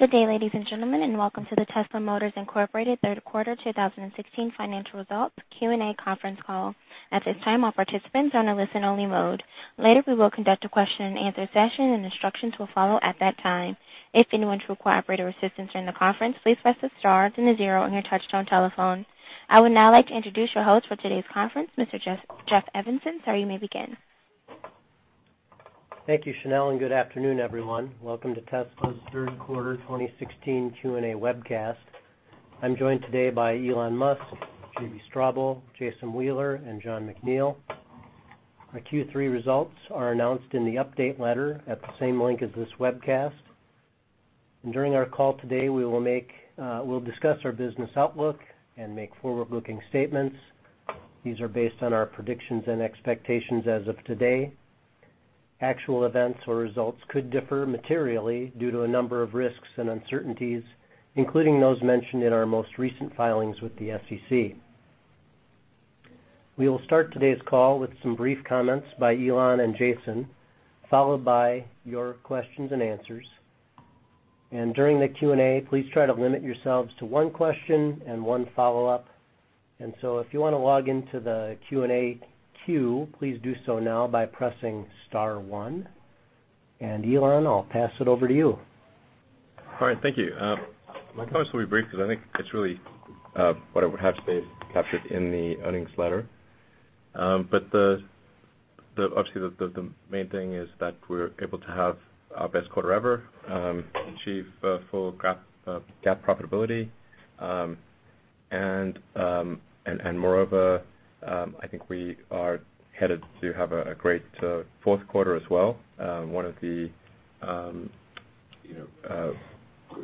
Good day, ladies and gentlemen, and welcome to the Tesla Motors, Inc. Third Quarter 2016 Financial Results Q&A Conference Call. At this time, all participants are on a listen-only mode. Later, we will conduct a question and answer session, and instructions will follow at that time. If anyone should require operator assistance during the conference, please press the star then the zero on your touch-tone telephone. I would now like to introduce your host for today's conference, Mr. Jeff Evanson. Sir, you may begin. Thank you, Chanel, good afternoon, everyone. Welcome to Tesla's 3rd Quarter 2016 Q&A webcast. I'm joined today by Elon Musk, JB Straubel, Jason Wheeler, and Jon McNeill. Our Q3 results are announced in the update letter at the same link as this webcast. During our call today, we'll discuss our business outlook and make forward-looking statements. These are based on our predictions and expectations as of today. Actual events or results could differ materially due to a number of risks and uncertainties, including those mentioned in our most recent filings with the SEC. We will start today's call with some brief comments by Elon and Jason, followed by your questions and answers. During the Q&A, please try to limit yourselves to 1 question and 1 follow-up. If you wanna log into the Q&A queue, please do so now by pressing star one. Elon, I'll pass it over to you. All right. Thank you. My comments will be brief because I think it's really what I would have to say is captured in the earnings letter. The obviously the main thing is that we're able to have our best quarter ever, achieve full GAAP profitability. Moreover, I think we are headed to have a great fourth quarter as well. One of the, you know,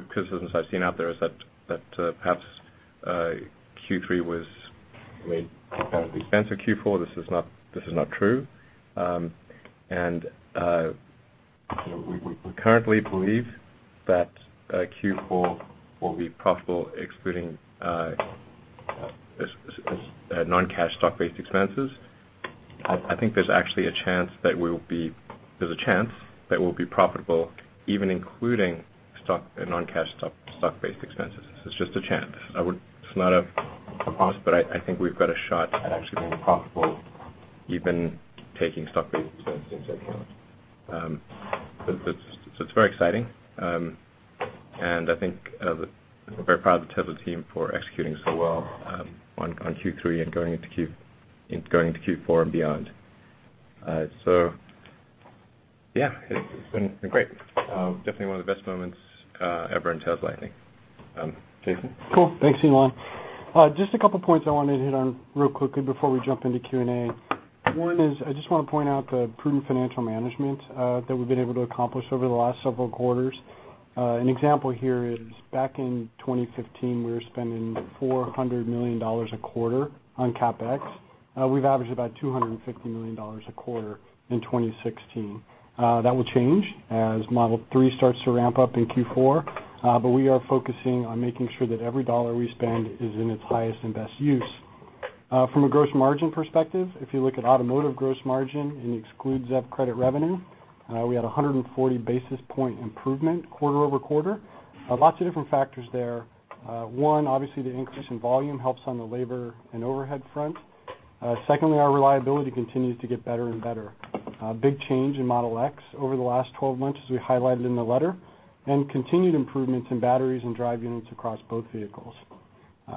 criticisms I've seen out there is that perhaps Q3 was, I mean, at the expense of Q4. This is not true. We currently believe that Q4 will be profitable excluding non-cash stock-based expenses. I think there's actually a chance that we'll be profitable even including stock and non-cash stock-based expenses. It's just a chance. It's not a promise, but I think we've got a shot at actually being profitable even taking stock-based expenses into account. It's very exciting. I think very proud of the Tesla team for executing so well on Q3 and going into Q4 and beyond. Yeah, it's been great. Definitely one of the best moments ever in Tesla, I think. Jason? Cool. Thanks, Elon. Just a couple points I wanted to hit on real quickly before we jump into Q&A. One is I just want to point out the prudent financial management that we've been able to accomplish over the last several quarters. An example here is back in 2015, we were spending $400 million a quarter on CapEx. We've averaged about $250 million a quarter in 2016. That will change as Model 3 starts to ramp up in Q4, but we are focusing on making sure that every dollar we spend is in its highest and best use. From a gross margin perspective, if you look at automotive gross margin and excludes ZEV-credit revenue, we had 140 basis point improvement quarter-over-quarter. Lots of different factors there. 1, obviously, the increase in volume helps on the labor and overhead front. Secondly, our reliability continues to get better and better. Big change in Model X over the last 12 months as we highlighted in the letter, and continued improvements in batteries and drive units across both vehicles.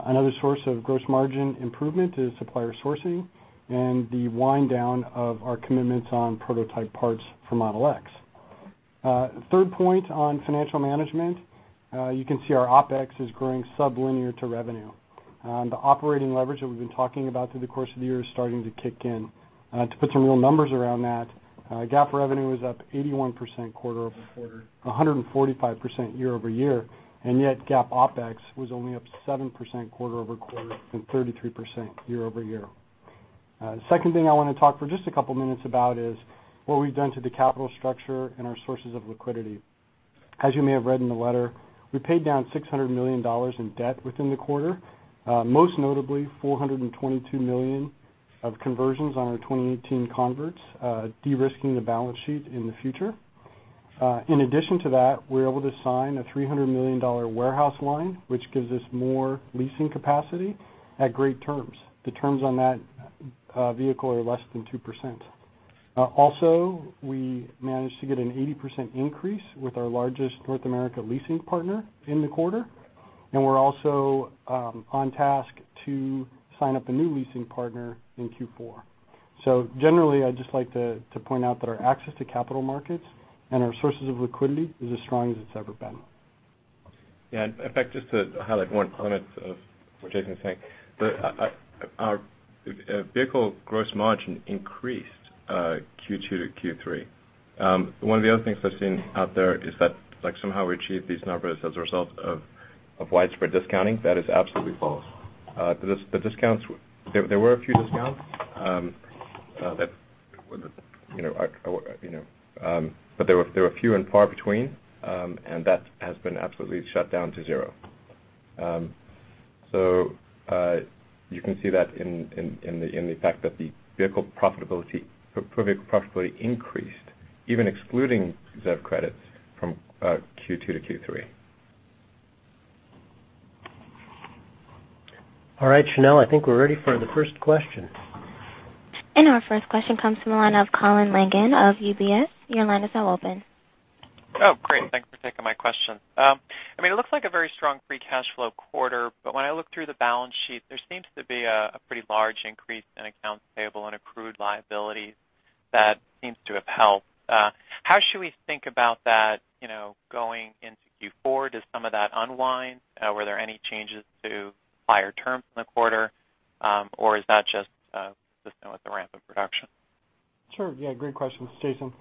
Another source of gross margin improvement is supplier sourcing and the wind down of our commitments on prototype parts for Model X. Third point on financial management, you can see our OpEx is growing sub-linear to revenue. The operating leverage that we've been talking about through the course of the year is starting to kick in. To put some real numbers around that, GAAP revenue is up 81% quarter-over-quarter, 145% year-over-year, and yet GAAP OpEx was only up 7% quarter-over-quarter and 33% year-over-year. Second thing I wanna talk for just a couple minutes about is what we've done to the capital structure and our sources of liquidity. As you may have read in the letter, we paid down $600 million in debt within the quarter, most notably $422 million of conversions on our 2018 converts, de-risking the balance sheet in the future. In addition to that, we were able to sign a $300 million warehouse line, which gives us more leasing capacity at great terms. The terms on that vehicle are less than 2%. Also, we managed to get an 80% increase with our largest North America leasing partner in the quarter, and we're also on task to sign up a new leasing partner in Q4. Generally, I'd just like to point out that our access to capital markets and our sources of liquidity is as strong as it's ever been. Yeah. In fact, just to highlight one point of what Jason is saying. The our vehicle gross margin increased Q2-Q3. One of the other things I've seen out there is that, like, somehow we achieved these numbers as a result of widespread discounting. That is absolutely false. The discounts. There were a few discounts that, you know, you know, but there were few and far between, and that has been absolutely shut down to zero. So, you can see that in the fact that the vehicle profitability, per-vehicle profitability increased even excluding ZEV credits from Q2 to Q3. All right, Chanel, I think we're ready for the first question. Our first question comes from the line of Colin Langan of UBS. Your line is now open. Oh, great. Thanks for taking my question. I mean, it looks like a very strong free cash flow quarter, but when I look through the balance sheet, there seems to be a pretty large increase in accounts payable and accrued liabilities that seems to have helped. How should we think about that, you know, going into Q4? Does some of that unwind? Were there any changes to buyer terms in the quarter? Is that just consistent with the ramp of production? Sure, yeah, great question, this is Jason.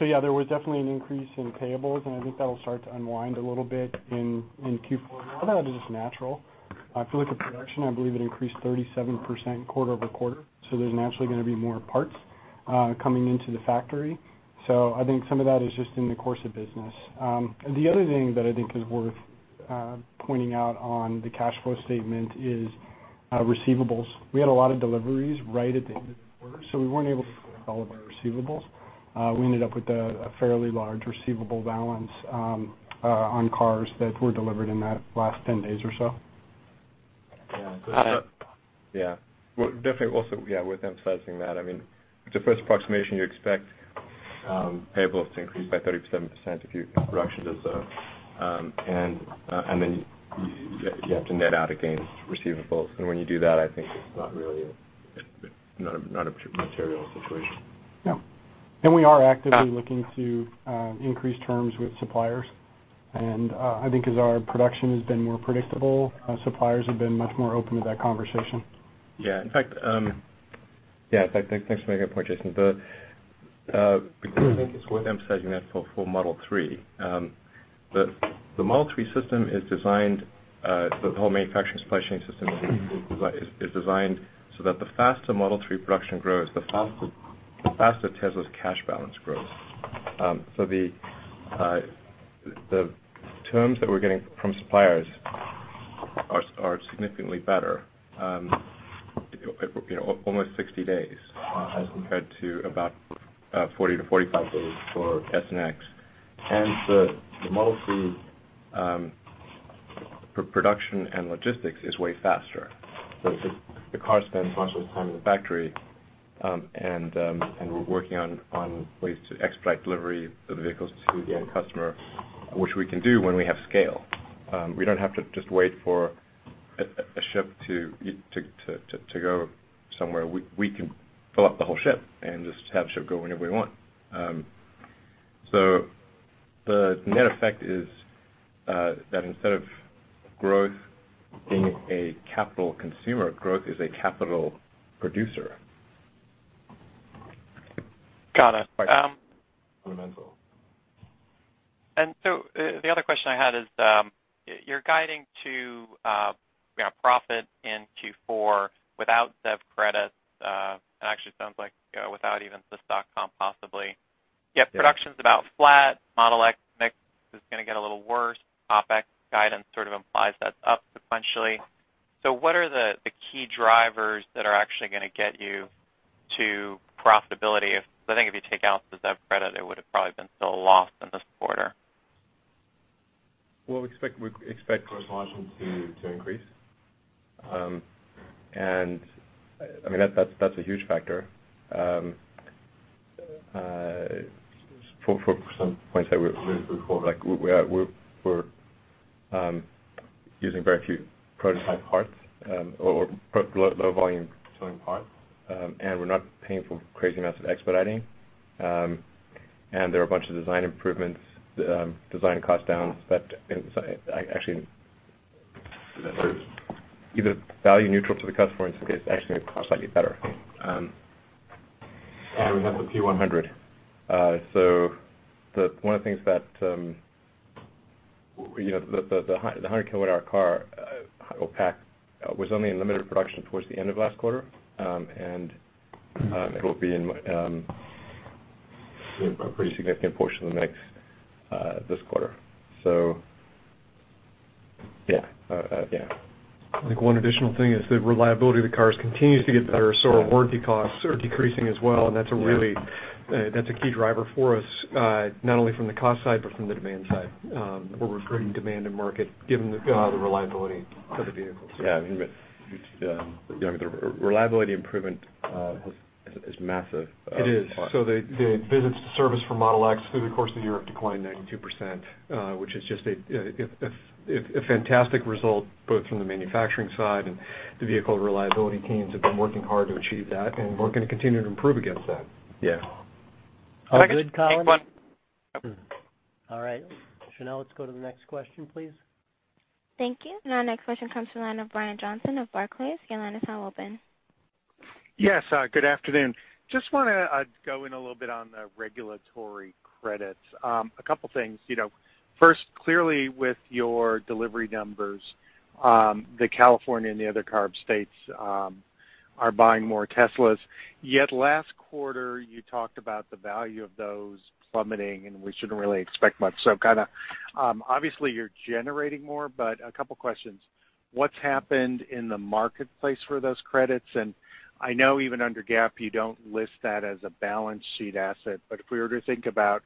Yeah, there was definitely an increase in payables, and I think that'll start to unwind a little bit in Q4. A lot of that is just natural. If you look at production, I believe it increased 37% quarter-over-quarter, there's naturally gonna be more parts coming into the factory. I think some of that is just in the course of business. The other thing that I think is worth pointing out on the cash flow statement is receivables. We had a lot of deliveries right at the end of the quarter, we weren't able to collect all of our receivables. We ended up with a fairly large receivable balance on cars that were delivered in that last 10 days or so. Well, definitely also worth emphasizing that. I mean, it's a first approximation, you expect payables to increase by 37% if production does. You have to net out against receivables. When you do that, I think it's not really not a material situation. Yeah. We are actively looking to increase terms with suppliers. I think as our production has been more predictable, suppliers have been much more open to that conversation. In fact, thanks for making that point, Jason. I think it's worth emphasizing that for Model 3. The Model 3 system is designed, the whole manufacturing supply chain system is designed so that the faster Model 3 production grows, the faster Tesla's cash balance grows. The terms that we're getting from suppliers are significantly better, you know, almost 60 days as compared to about 40-45 days for S and X. The Model 3 production and logistics is way faster. The car spends much less time in the factory, and we're working on ways to expedite delivery of the vehicles to the end customer, which we can do when we have scale. We don't have to just wait for a ship to go somewhere. We can fill up the whole ship and just have the ship go whenever we want. The net effect is that instead of growth being a capital consumer, growth is a capital producer. Got it. Fundamental. The other question I had is, you know, profit in Q4 without ZEV credits. It actually sounds like without even the stock comp possibly. Yet production's about flat. Model X mix is gonna get a little worse. OpEx guidance sort of implies that's up sequentially. What are the key drivers that are actually gonna get you to profitability? I think if you take out the ZEV credit, it would have probably been still a loss in this quarter. Well, we expect gross margin to increase. I mean, that's a huge factor. For some points that we've made before, like we're using very few prototype parts or low volume tooling parts. We're not paying for crazy amounts of expediting. There are a bunch of design improvements, design cost downs. I actually either value neutral to the customer. In some case, actually cost might be better. We have the P100D. One of the things that, you know, the 100 kWh car pack was only in limited production towards the end of last quarter. It'll be in a pretty significant portion of the mix this quarter. Yeah. Yeah. I think one additional thing is the reliability of the cars continues to get better, so our warranty costs are decreasing as well. Yeah. That's a key driver for us, not only from the cost side, but from the demand side. We're growing demand in market given the reliability of the vehicles. Yeah, I mean, you know, the reliability improvement is massive. It is. The visits to service for Model X through the course of the year have declined 92%, which is just a fantastic result both from the manufacturing side and the vehicle reliability teams have been working hard to achieve that, and we're gonna continue to improve against that. Yeah. All good, Colin? Thanks, bye. All right. Chanel, let's go to the next question, please. Thank you. Our next question comes from the line of Brian Johnson of Barclays. Your line is now open. Yes, good afternoon. Just wanna go in a little bit on the regulatory credits. A couple things. You know, first, clearly with your delivery numbers, the California and the other CARB states are buying more Teslas. Yet last quarter, you talked about the value of those plummeting, and we shouldn't really expect much. So kinda, obviously you're generating more, but a couple questions. What's happened in the marketplace for those credits? I know even under GAAP, you don't list that as a balance sheet asset, but if we were to think about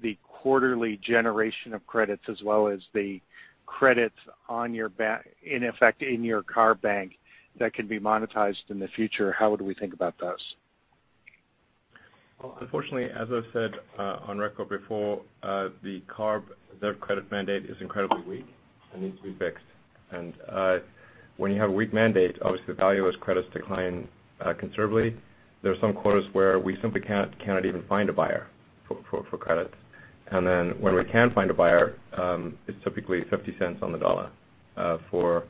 the quarterly generation of credits as well as the credits on your in effect in your car bank that can be monetized in the future, how would we think about those? Well, unfortunately, as I've said on record before, the CARB, their credit mandate is incredibly weak and needs to be fixed. When you have a weak mandate, obviously the value of those credits decline considerably. There are some quarters where we simply cannot even find a buyer for credit. When we can find a buyer, it's typically $0.50 on the dollar for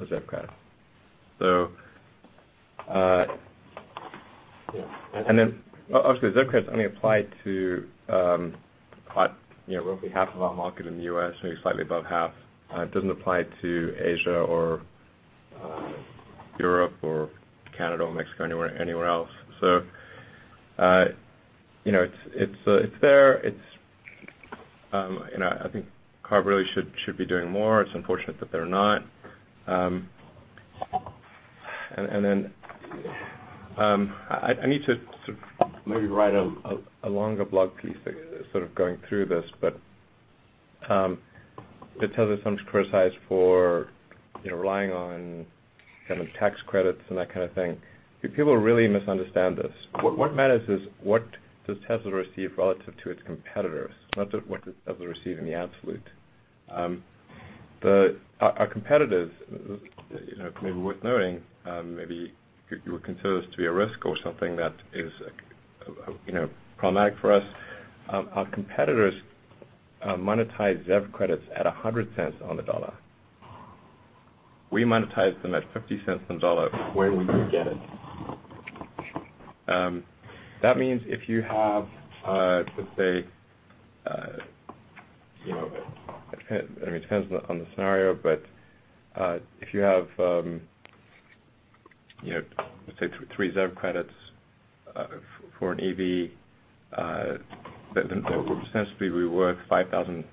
the ZEV credit. Yeah. Obviously, ZEV credits only apply to, you know, roughly half of our market in the U.S., maybe slightly above half. It doesn't apply to Asia or Europe or Canada or Mexico, anywhere else. You know, it's there. It's, and I think CARB really should be doing more. It's unfortunate that they're not. I need to sort of maybe write a longer blog piece that is sort of going through this because Tesla's sometimes criticized for, you know, relying on kind of tax credits and that kind of thing. People really misunderstand this. What matters is what does Tesla receive relative to its competitors, not what does Tesla receive in the absolute. Our competitors, you know, maybe worth noting, maybe you would consider this to be a risk or something that is, you know, problematic for us. Our competitors monetize ZEV credits at $1.00 on the dollar. We monetize them at $0.50 on the dollar where we can get it. That means if you have, let's say, you know, I mean, it depends on the scenario, but, if you have, you know, let's say 3 ZEV credits, for an EV, that would ostensibly be worth $5,000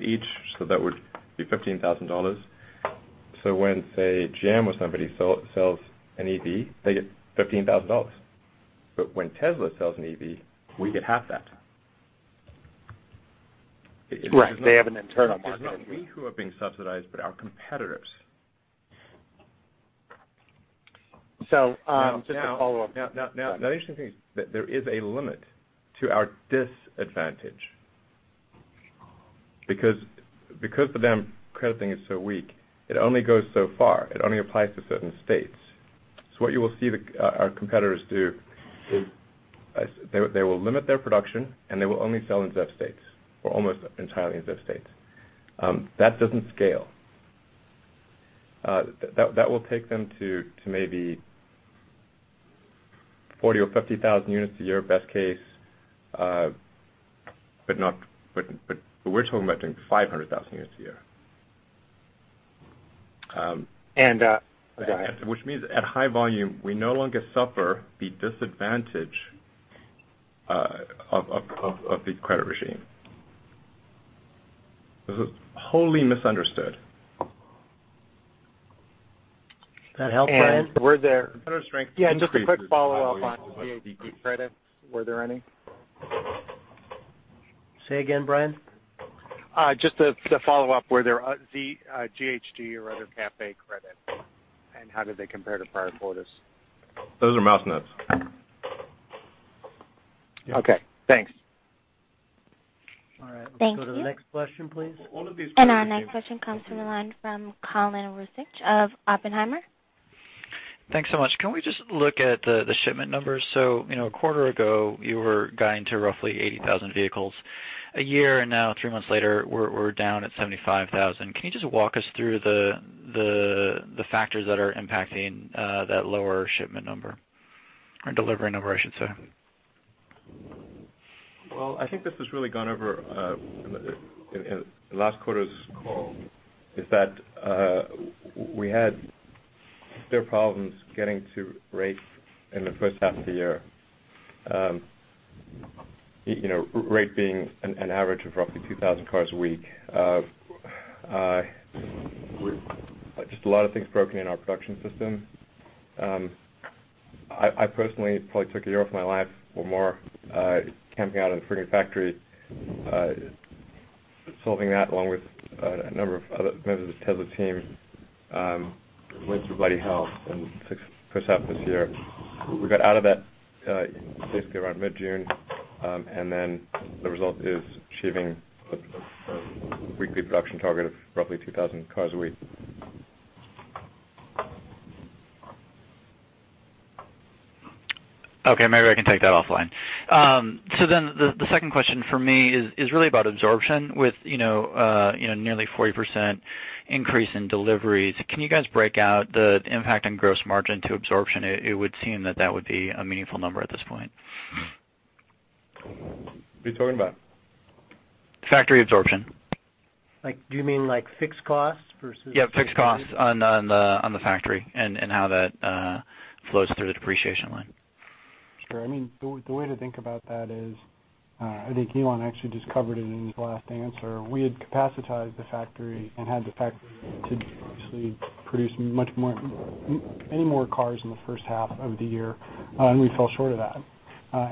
each, so that would be $15,000. When, say, GM or somebody sells an EV, they get $15,000. When Tesla sells an EV, we get half that. Right. They have an internal marketplace. It's not we who are being subsidized, but our competitors. Just a follow-up. Now, the interesting thing is that there is a limit to our disadvantage. Because the damn credit thing is so weak, it only goes so far. It only applies to certain states. What you will see our competitors do is they will limit their production, and they will only sell in ZEV states or almost entirely in ZEV states. That doesn't scale. That will take them to maybe 40 or 50 thousand units a year, best case, but we're talking about doing 500 thousand units a year. Go ahead. Which means at high volume, we no longer suffer the disadvantage of the credit regime. This is wholly misunderstood. That help, Brian? And were there- Our strength increases- Yeah, just a quick follow-up on GHG credits. Were there any? Say again, Brian? Just a follow-up. Were there GHG or other CAFE credits, and how did they compare to prior quarters? Those are mouse nuts. Okay, thanks. All right. Thank you. Let's go to the next question, please. Our next question comes from the line from Colin Rusch of Oppenheimer. Thanks so much. Can we just look at the shipment numbers? You know, a quarter ago, you were guiding to roughly 80,000 vehicles a year, and now 3 months later, we're down at 75,000. Can you just walk us through the factors that are impacting that lower shipment number? Or delivery number, I should say. I think this has really gone over in the last quarter's call, is that we had severe problems getting to rate in the first half of the year. You know, rate being an average of roughly 2,000 cars a week. Just a lot of things broken in our production system. I personally probably took a year off my life or more, camping out in the Fremont factory, solving that along with a number of other members of the Tesla team, went through bloody hell in the first half of this year. We got out of that basically around mid-June. The result is achieving a weekly production target of roughly 2,000 cars a week. Maybe I can take that offline. The second question for me is really about absorption with, you know, nearly 40% increase in deliveries. Can you guys break out the impact on gross margin to absorption? It would seem that that would be a meaningful number at this point. What are you talking about? Factory absorption. Like, do you mean like fixed costs versus? Yeah, fixed costs on the factory and how that flows through the depreciation line. Sure. I mean, the way to think about that is, I think Elon actually just covered it in his last answer. We had capacitized the factory and had the factory to actually produce many more cars in the first half of the year, we fell short of that.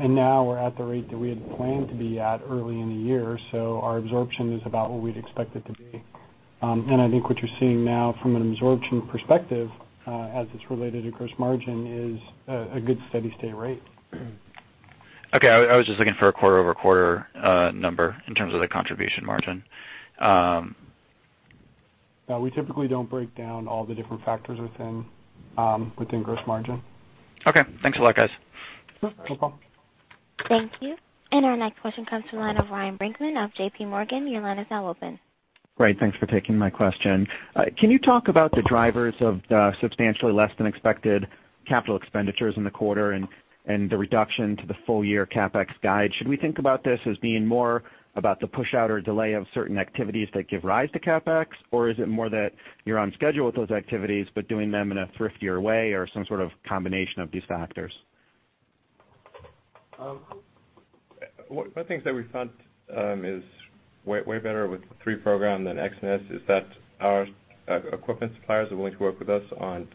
Now we're at the rate that we had planned to be at early in the year, our absorption is about what we'd expect it to be. I think what you're seeing now from an absorption perspective, as it's related to gross margin, is a good steady state rate. Okay. I was just looking for a quarter-over-quarter number in terms of the contribution margin. Yeah, we typically don't break down all the different factors within gross margin. Okay. Thanks a lot, guys. Sure. No problem. Thank you. Our next question comes to the line of Ryan Brinkman of JPMorgan. Your line is now open. Great. Thanks for taking my question. Can you talk about the drivers of the substantially less than expected capital expenditures in the quarter and the reduction to the full-year CapEx guide? Should we think about this as being more about the push out or delay of certain activities that give rise to CapEx? Or is it more that you're on schedule with those activities but doing them in a thriftier way or some sort of combination of these factors? One of the things that we found is way better with the Model 3 program than Model X and Model S is that our equipment suppliers are willing to work with us on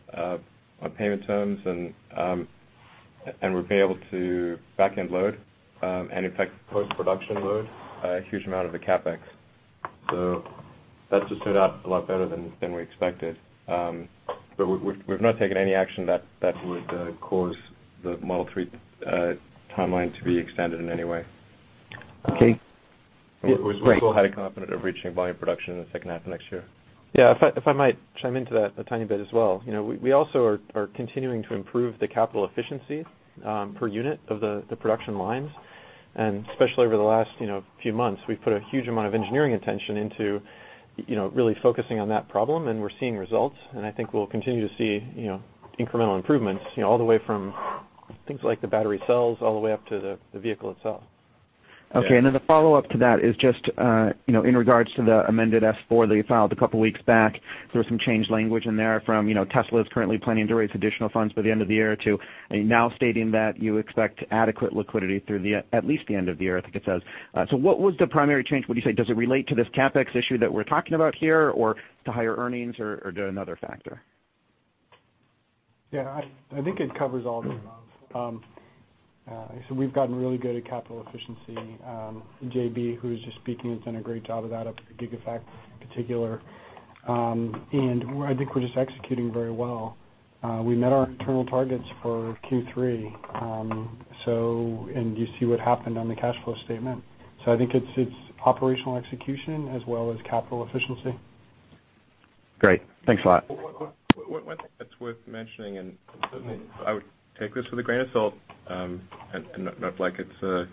payment terms and we're being able to back-end load and in fact, post-production load a huge amount of the CapEx. That just turned out a lot better than we expected. But we've not taken any action that would cause the Model 3 timeline to be extended in any way. Okay. We're still highly confident of reaching volume production in the second half of next year. Yeah. If I might chime into that a tiny bit as well. You know, we also are continuing to improve the capital efficiency per unit of the production lines. Especially over the last, you know, few months, we've put a huge amount of engineering attention into, you know, really focusing on that problem, and we're seeing results. I think we'll continue to see, you know, incremental improvements, you know, all the way from things like the battery cells all the way up to the vehicle itself. Okay. The follow-up to that is just, you know, in regards to the amended Form S-4 that you filed a couple weeks back, there was some changed language in there from, you know, Tesla's currently planning to raise additional funds by the end of the year to now stating that you expect adequate liquidity through the, at least the end of the year, I think it says. What was the primary change, would you say? Does it relate to this CapEx issue that we're talking about here, or to higher earnings or to another factor? I think it covers all of those. We've gotten really good at capital efficiency. JB, who was just speaking, has done a great job of that up at Gigafactory in particular. I think we're just executing very well. We met our internal targets for Q3. You see what happened on the cash flow statement. I think it's operational execution as well as capital efficiency. Great. Thanks a lot. One thing that's worth mentioning, I would take this with a grain of salt, not like it's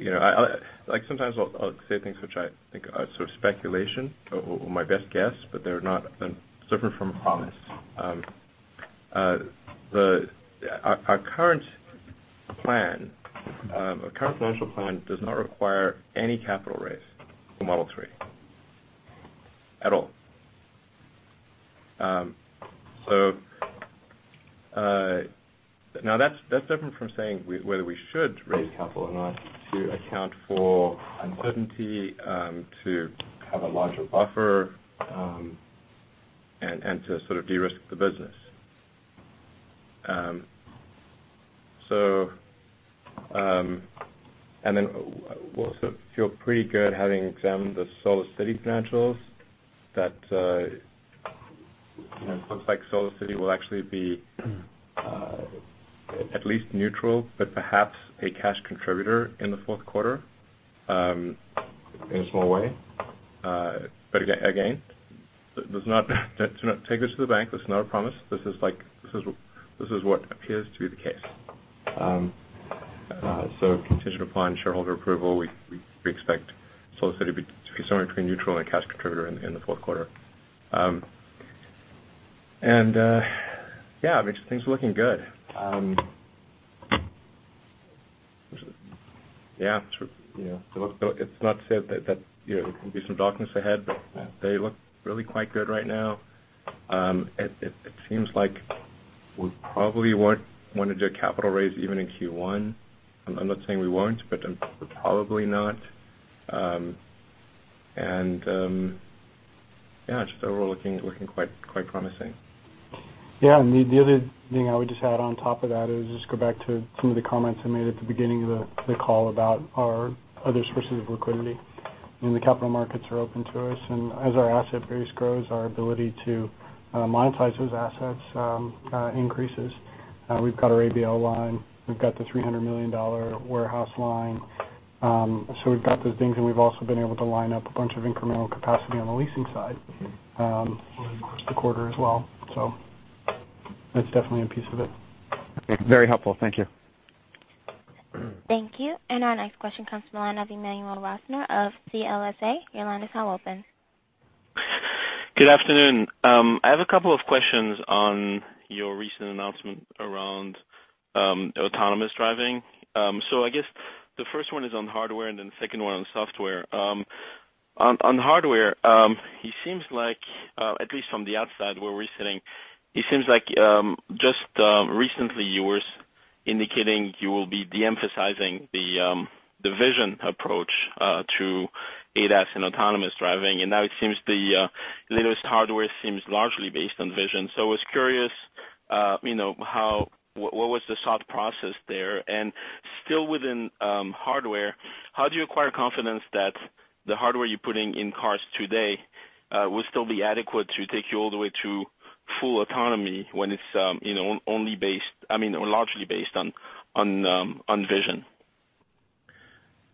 You know, I like, sometimes I'll say things which I think are sort of speculation or my best guess, they're not then separate from a promise. Our current plan, our current financial plan does not require any capital raise for Model 3 at all. Now that's different from saying whether we should raise capital or not to account for uncertainty, to have a larger buffer, and to sort of de-risk the business. Then we also feel pretty good having examined the SolarCity financials that, you know, it looks like SolarCity will actually be, at least neutral, but perhaps a cash contributor in the fourth quarter, in a small way. Again, Do not take this to the bank. This is not a promise. This is like, this is what appears to be the case. Contingent upon shareholder approval, we expect SolarCity to be somewhere between neutral and a cash contributor in the fourth quarter. Yeah, I mean, things are looking good. Yeah, you know, so it's not to say that, you know, there could be some darkness ahead, but they look really quite good right now. It seems like we probably won't want to do a capital raise even in Q1. I'm not saying we won't, but we're probably not. Yeah, just overall looking quite promising. Yeah. The other thing I would just add on top of that is just go back to some of the comments I made at the beginning of the call about our other sources of liquidity, and the capital markets are open to us. As our asset base grows, our ability to monetize those assets increases. We've got our ABL line. We've got the $300 million warehouse line. We've got those things, and we've also been able to line up a bunch of incremental capacity on the leasing side. Over the course of the quarter as well. That's definitely a piece of it. Very helpful. Thank you. Thank you. Our next question comes from the line of Emmanuel Rosner of CLSA. Your line is now open. Good afternoon. I have a couple of questions on your recent announcement around autonomous driving. I guess the first one is on hardware and then the second one on software. On hardware, it seems like, at least from the outside where we're sitting, it seems like, just recently you were indicating you will be de-emphasizing the vision approach to ADAS and autonomous driving. Now it seems the latest hardware seems largely based on vision. I was curious, you know, what was the thought process there? Still within hardware, how do you acquire confidence that the hardware you're putting in cars today, will still be adequate to take you all the way to full autonomy when it's, you know, only based, I mean, largely based on, on vision?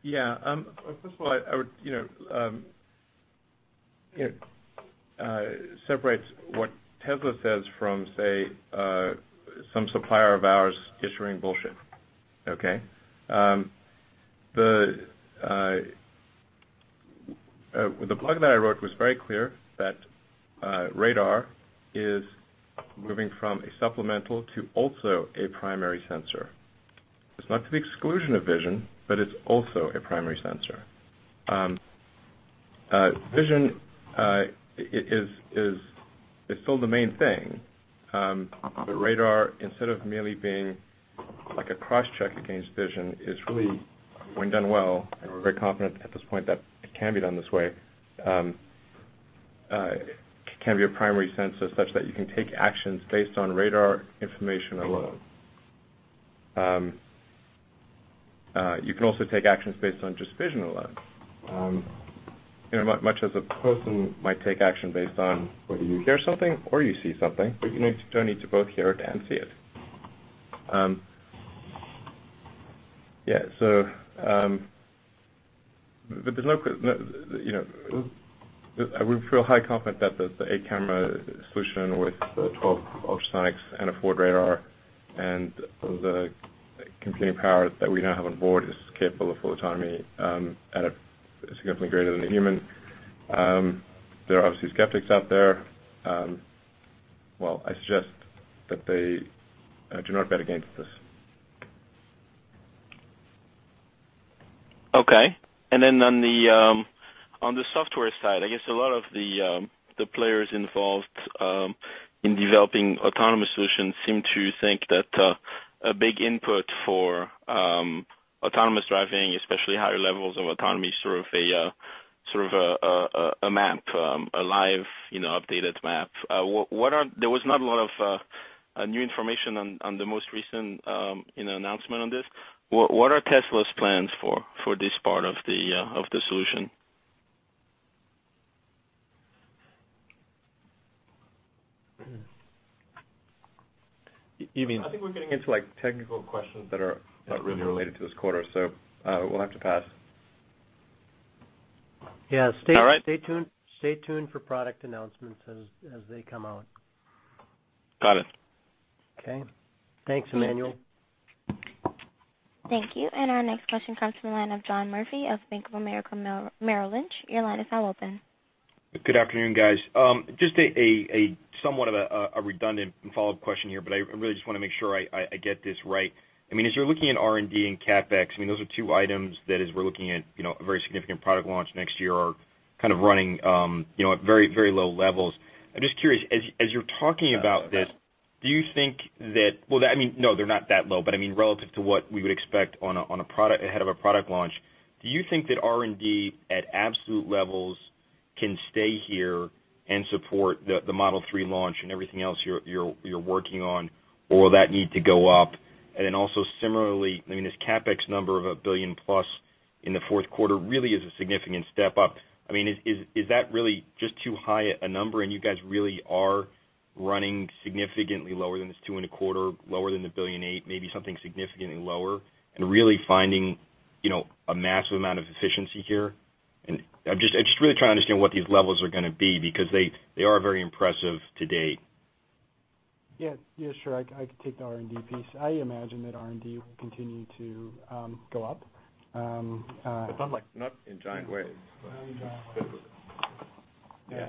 Yeah. First of all, I would separate what Tesla says from some supplier of ours dishing bullshit. The blog that I wrote was very clear that radar is moving from a supplemental to also a primary sensor. It's not to the exclusion of vision, but it's also a primary sensor. Vision is still the main thing. Radar, instead of merely being like a cross-check against vision, is really when done well, and we're very confident at this point that it can be done this way, can be a primary sensor such that you can take actions based on radar information alone. You can also take actions based on just vision alone. You know, much as a person might take action based on whether you hear something or you see something, but you don't need to both hear it and see it. There's no, you know, I would feel high confident that the 8-camera solution with the 12 ultrasonics and a forward radar and the computing power that we now have on board is capable of full autonomy at a significantly greater than a human. There are obviously skeptics out there. Well, I suggest that they do not bet against us. Okay. On the software side, I guess a lot of the players involved in developing autonomous solutions seem to think that a big input for autonomous driving, especially higher levels of autonomy is sort of a map, a live, you know, updated map. There was not a lot of new information on the most recent, you know, announcement on this. What are Tesla's plans for this part of the solution? You mean- I think we're getting into like technical questions that are not really related to this quarter, so, we'll have to pass. Yeah. All right. Stay tuned for product announcements as they come out. Got it. Okay. Thanks, Emmanuel. Thank you. Our next question comes from the line of John Murphy of Bank of America Merrill Lynch. Your line is now open. Good afternoon, guys. Just a somewhat of a redundant follow-up question here, but I really just wanna make sure I get this right. I mean, as you're looking at R&D and CapEx, I mean, those are two items that as we're looking at, you know, a very significant product launch next year are kind of running, you know, at very, very low levels. I'm just curious, as you're talking about this. Yeah. Do you think that Well, I mean, no, they're not that low, but I mean, relative to what we would expect on a, on a product ahead of a product launch, do you think that R&D at absolute levels can stay here and support the Model 3 launch and everything else you're working on or will that need to go up? Also similarly, I mean, this CapEx number of $1 billion plus in the fourth quarter really is a significant step up. I mean, is that really just too high a number and you guys really are running significantly lower than this $2.25 billion, lower than the $1.8 billion, maybe something significantly lower and really finding, you know, a massive amount of efficiency here? I'm just really trying to understand what these levels are gonna be because they are very impressive to date. Yeah. Yeah, sure. I could take the R&D piece. I imagine that R&D will continue to go up. Not, like, not in giant ways. Not in giant ways. Yeah.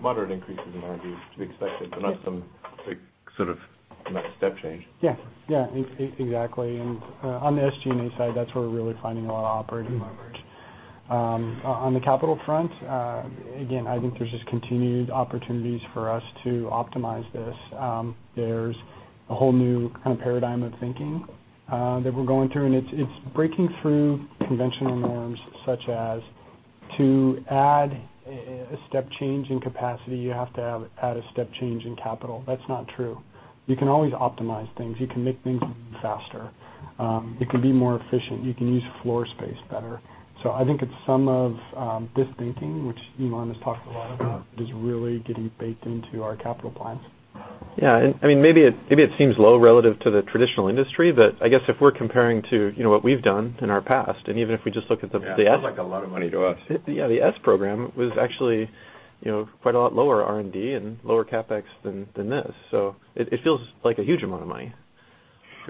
Moderate increases in R&D is to be expected, but not some big sort of, you know, step change. Yeah. Yeah. Exactly. On the SG&A side, that's where we're really finding a lot of operating leverage. On the capital front, again, I think there's just continued opportunities for us to optimize this. There's a whole new kind of paradigm of thinking that we're going through, and it's breaking through conventional norms such as to add a step change in capacity, you have to add a step change in capital. That's not true. You can always optimize things. You can make things faster. It can be more efficient. You can use floor space better. I think it's some of this thinking, which Elon has talked a lot about, is really getting baked into our capital plans. Yeah, I mean, maybe it seems low relative to the traditional industry, but I guess if we're comparing to, you know, what we've done in our past, even if we just look at the S- Yeah, it feels like a lot of money to us. Yeah, the S program was actually, you know, quite a lot lower R&D and lower CapEx than this. It feels like a huge amount of money.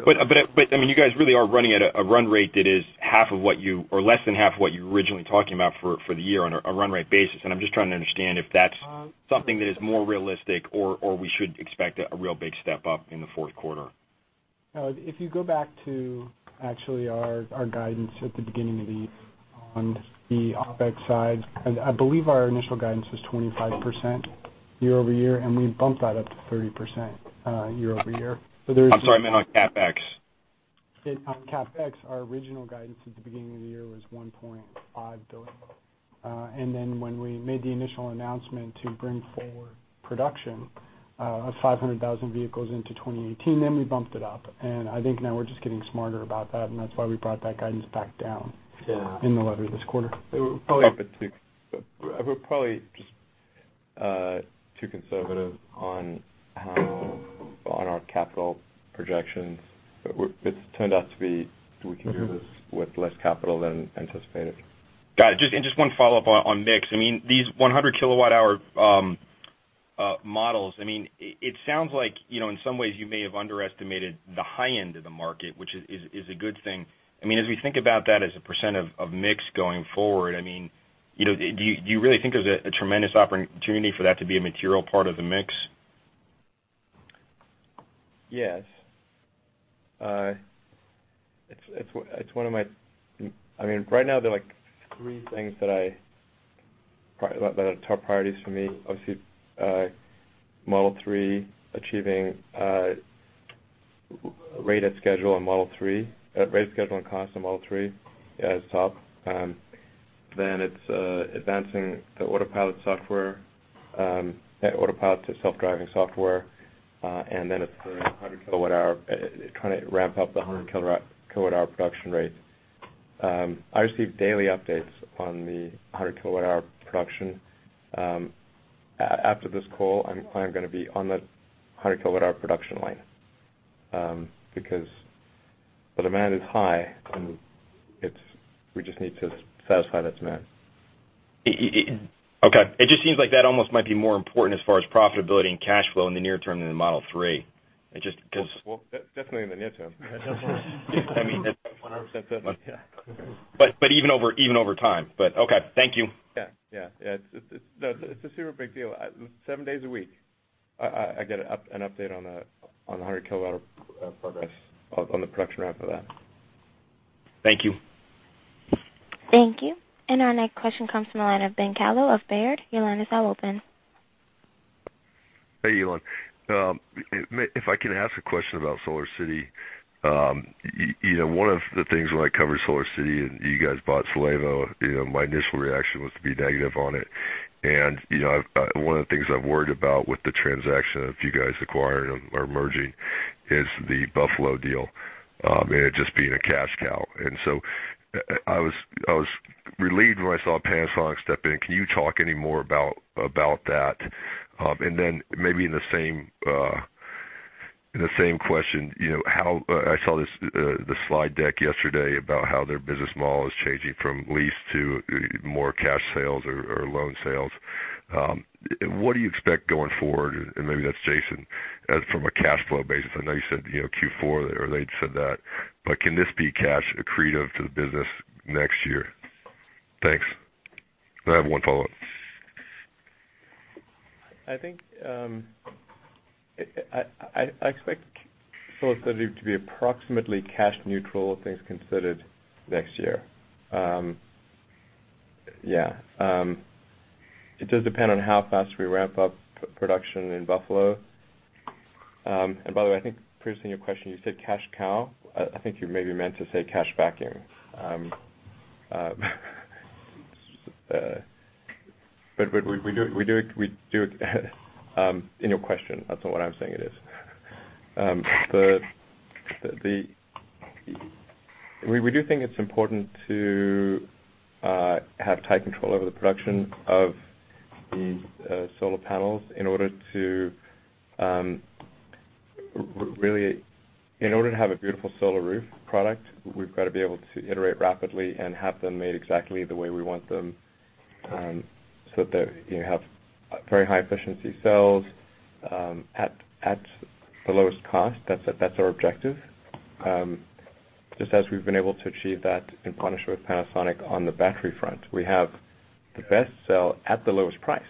Sure. I mean, you guys really are running at a run rate that is half of what you or less than half of what you were originally talking about for the year on a run rate basis. I'm just trying to understand if that's something that is more realistic or we should expect a real big step up in the fourth quarter. If you go back to actually our guidance at the beginning of the year on the OpEx side, I believe our initial guidance was 25% year-over-year, and we bumped that up to 30% year-over-year. I'm sorry, I meant on CapEx. On CapEx, our original guidance at the beginning of the year was $1.5 billion. When we made the initial announcement to bring forward production of 500,000 vehicles into 2018, we bumped it up. I think now we're just getting smarter about that, and that's why we brought that guidance back down. Yeah. In the letter this quarter. We're probably- Up at six. We're probably just too conservative on our capital projections. It's turned out to be we can do this, with less capital than anticipated. Got it. Just one follow-up on mix. I mean, these 100 kWh models, I mean, it sounds like, you know, in some ways you may have underestimated the high end of the market, which is a good thing. I mean, as we think about that as a percent of mix going forward, I mean, you know, do you really think there's a tremendous opportunity for that to be a material part of the mix? Yes. It's one of my, I mean, right now there are, like, three things that are top priorities for me. Obviously, Model 3, achieving rate and schedule on Model 3, rate, schedule, and cost on Model 3 is top. Then it's advancing the Autopilot software, that Autopilot to self-driving software. Then it's the 100 kWh, trying to ramp up the 100 kWh production rate. I receive daily updates on the 100 kWh production. After this call, I'm gonna be on the 100 kWh production line, because the demand is high and we just need to satisfy that demand. It Okay. It just seems like that almost might be more important as far as profitability and cash flow in the near term than the Model 3. Well, definitely in the near term. I mean, 100%. Even over time. Okay. Thank you. Yeah. Yeah. Yeah. It's a super big deal. Seven days a week I get an update on the 100 kWh progress on the production ramp for that. Thank you. Thank you. Our next question comes from the line of Ben Kallo of Baird. Your line is now open. Hey, Elon. If I can ask a question about SolarCity. You know, one of the things when I cover SolarCity and you guys bought SolarCity, you know, my initial reaction was to be negative on it. You know, I've one of the things I've worried about with the transaction, if you guys acquiring them or merging, is the Buffalo deal, and it just being a cash cow. I was relieved when I saw Panasonic step in. Can you talk any more about that? Maybe in the same question, you know, I saw this the slide deck yesterday about how their business model is changing from lease to more cash sales or loan sales. What do you expect going forward? Maybe that's Jason, from a cash flow basis. I know you said, you know, Q4 or they'd said that, but can this be cash accretive to the business next year? Thanks. I have one follow-up. I think, I expect SolarCity to be approximately cash neutral, all things considered, next year. Yeah. It does depend on how fast we ramp up production in Buffalo. By the way, I think previously in your question you said cash cow. I think you maybe meant to say cash vacuum. We do, in your question. That's not what I'm saying it is. We do think it's important to have tight control over the production of the solar panels in order to have a beautiful solar roof product, we've got to be able to iterate rapidly and have them made exactly the way we want them, so that they have very high efficiency cells, at the lowest cost. That's our objective. Just as we've been able to achieve that in partnership with Panasonic on the battery front. We have the best cell at the lowest price.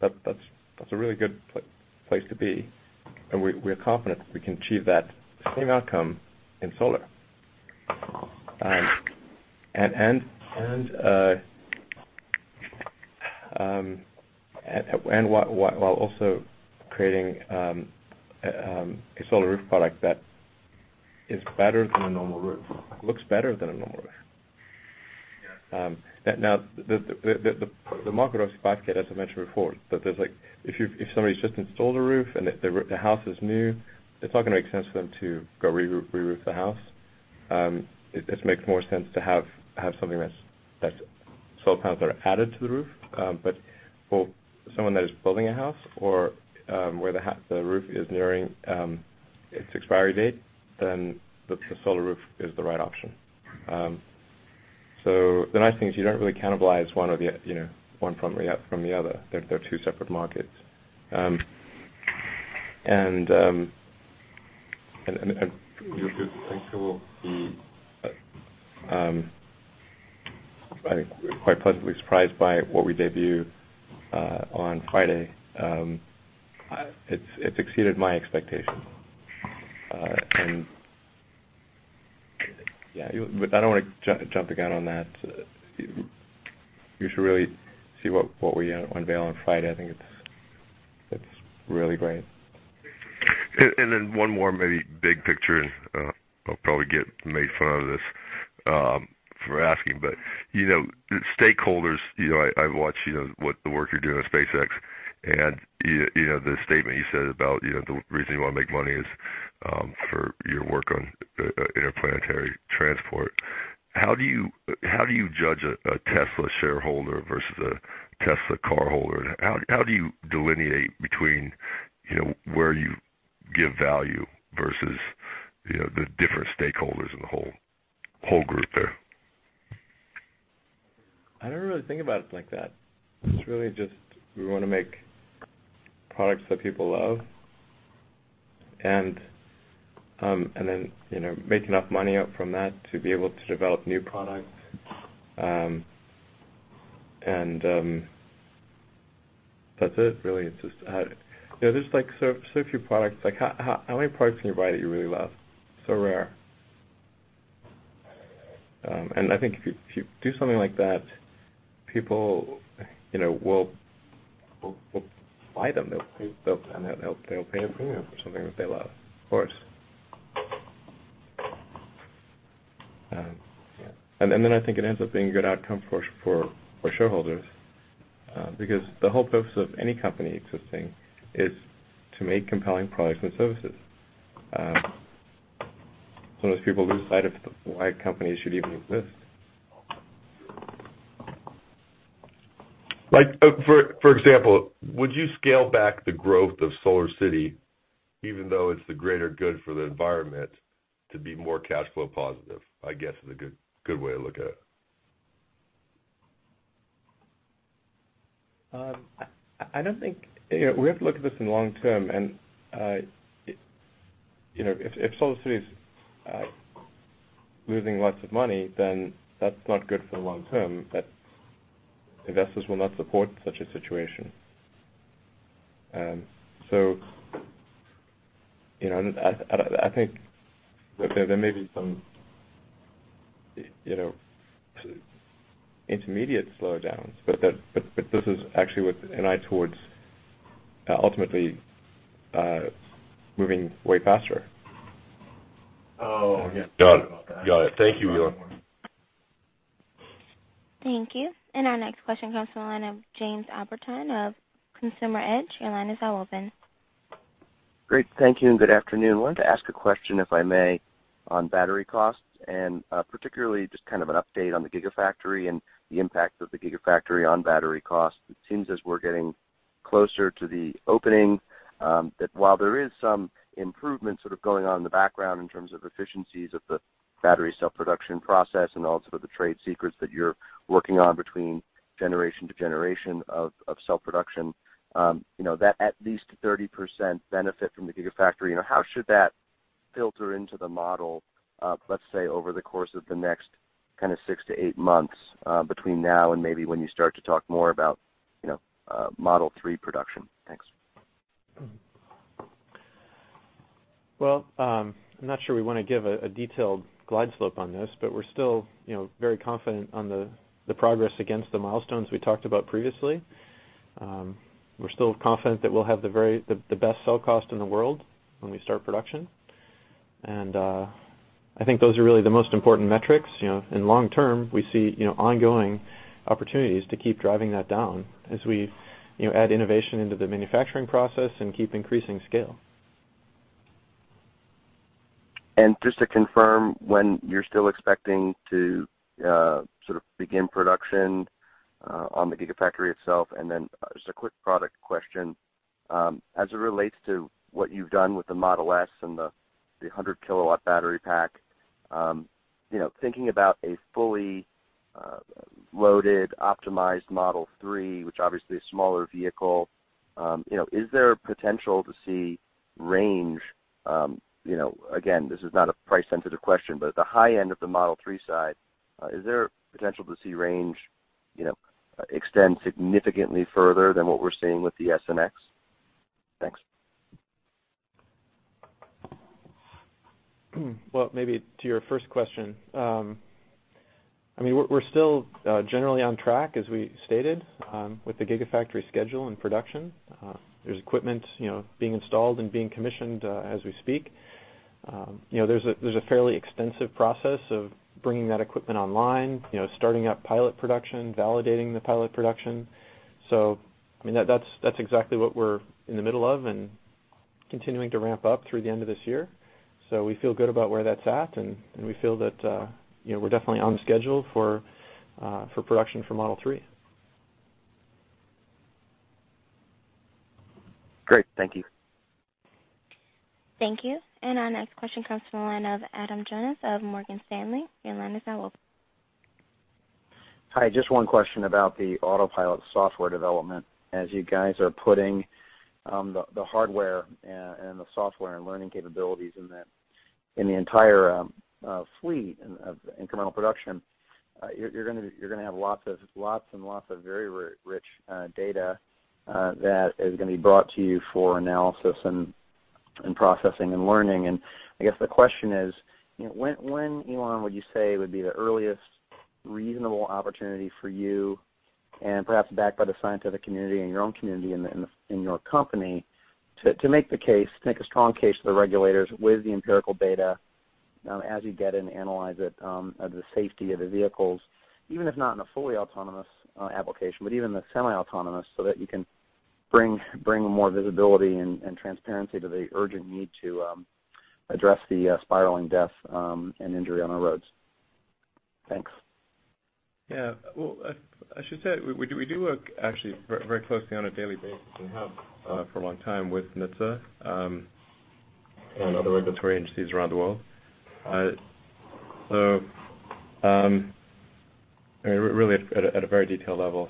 That's a really good place to be, and we're confident we can achieve that same outcome in solar. While also creating a solar roof product that is better than a normal roof. Looks better than a normal roof. Yeah. Now the market opportunity, as I mentioned before, that there's like if somebody's just installed a roof and the house is new, it's not gonna make sense for them to go re-roof the house. It makes more sense to have something that's solar panels that are added to the roof. For someone that is building a house or where the roof is nearing its expiry date, then the solar roof is the right option. The nice thing is you don't really cannibalize one over the, you know, one from the other. They're two separate markets. You'll, I think you will be quite pleasantly surprised by what we debut on Friday. It's exceeded my expectations. Yeah, but I don't wanna jump the gun on that. You should really see what we unveil on Friday. I think it's really great. One more maybe big picture, I'll probably get made fun of this for asking, but, you know, stakeholders, you know, I watch, you know, the work you're doing with SpaceX and you know, the statement you said about, you know, the reason you wanna make money is for your work on interplanetary transport. How do you judge a Tesla shareholder versus a Tesla car holder? How do you delineate between, you know, where you give value versus, you know, the different stakeholders in the whole group there? I don't really think about it like that. It's really just we wanna make products that people love and then, you know, make enough money out from that to be able to develop new products. That's it really. It's just how, you know, there's like so few products, like how many products can you buy that you really love? It's so rare. I think if you, if you do something like that, people, you know, will buy them. They'll pay, and they'll pay a premium for something that they love, of course. Yeah. Then I think it ends up being a good outcome for shareholders, because the whole purpose of any company existing is to make compelling products and services. Sometimes people lose sight of why companies should even exist. Like for example, would you scale back the growth of SolarCity even though it's the greater good for the environment to be more cash flow positive, I guess, is a good way to look at it? I don't think You know, we have to look at this in long term and, it, you know, if SolarCity is, losing lots of money, then that's not good for the long term. That investors will not support such a situation. You know, and I think there may be some, you know, intermediate slowdowns, but this is actually an eye towards, ultimately, moving way faster. Oh, yeah. Got it. Got it. Thank you, Elon. Thank you. Our next question comes from the line of Jamie Albertine of Consumer Edge. Your line is now open. Great. Thank you. Good afternoon. I wanted to ask a question, if I may, on battery costs and particularly just kind of an update on the Gigafactory and the impact of the Gigafactory on battery costs. It seems as we're getting closer to the opening, that while there is some improvement sort of going on in the background in terms of efficiencies of the battery cell production process and also the trade secrets that you're working on between generation to generation of cell production, you know, that at least 30% benefit from the Gigafactory. You know, how should that filter into the model, let's say over the course of the next kind of 6-8 months, between now and maybe when you start to talk more about, you know, Model 3 production? Thanks. Well, I'm not sure we wanna give a detailed glide slope on this, but we're still, you know, very confident on the progress against the milestones we talked about previously. We're still confident that we'll have the best cell cost in the world when we start production. I think those are really the most important metrics. You know, in long term, we see, you know, ongoing opportunities to keep driving that down as we, you know, add innovation into the manufacturing process and keep increasing scale. Just to confirm, when you're still expecting to sort of begin production on the Gigafactory itself, and then just a quick product question. As it relates to what you've done with the Model S and the 100 kW battery pack, you know, thinking about a fully loaded, optimized Model 3, which obviously is a smaller vehicle, you know, is there a potential to see range, you know, again, this is not a price-sensitive question, but at the high end of the Model 3 side, is there potential to see range, you know, extend significantly further than what we're seeing with the S and X? Thanks. Well, maybe to your first question, I mean, we're still generally on track as we stated with the Gigafactory schedule and production. There's equipment, you know, being installed and being commissioned as we speak. You know, there's a fairly extensive process of bringing that equipment online, you know, starting up pilot production, validating the pilot production. I mean, that's exactly what we're in the middle of. Continuing to ramp up through the end of this year. We feel good about where that's at, and we feel that, you know, we're definitely on schedule for production for Model 3. Great. Thank you. Thank you. Our next question comes from the line of Adam Jonas of Morgan Stanley. Your line is now open. Hi, just one question about the Autopilot software development. As you guys are putting the hardware and the software and learning capabilities in the entire fleet of incremental production, you're gonna have lots and lots of very rich data that is gonna be brought to you for analysis and processing and learning. I guess the question is, you know, when, Elon, would you say would be the earliest reasonable opportunity for you, and perhaps backed by the scientific community and your own community in your company, to make the case, make a strong case to the regulators with the empirical data, as you get it and analyze it, of the safety of the vehicles, even if not in a fully autonomous application, but even the semi-autonomous, so that you can bring more visibility and transparency to the urgent need to address the spiraling deaths and injury on our roads? Thanks. Yeah. Well, I should say we do work actually very, very closely on a daily basis, and have for a long time with NHTSA and other regulatory agencies around the world. I mean, really at a very detailed level.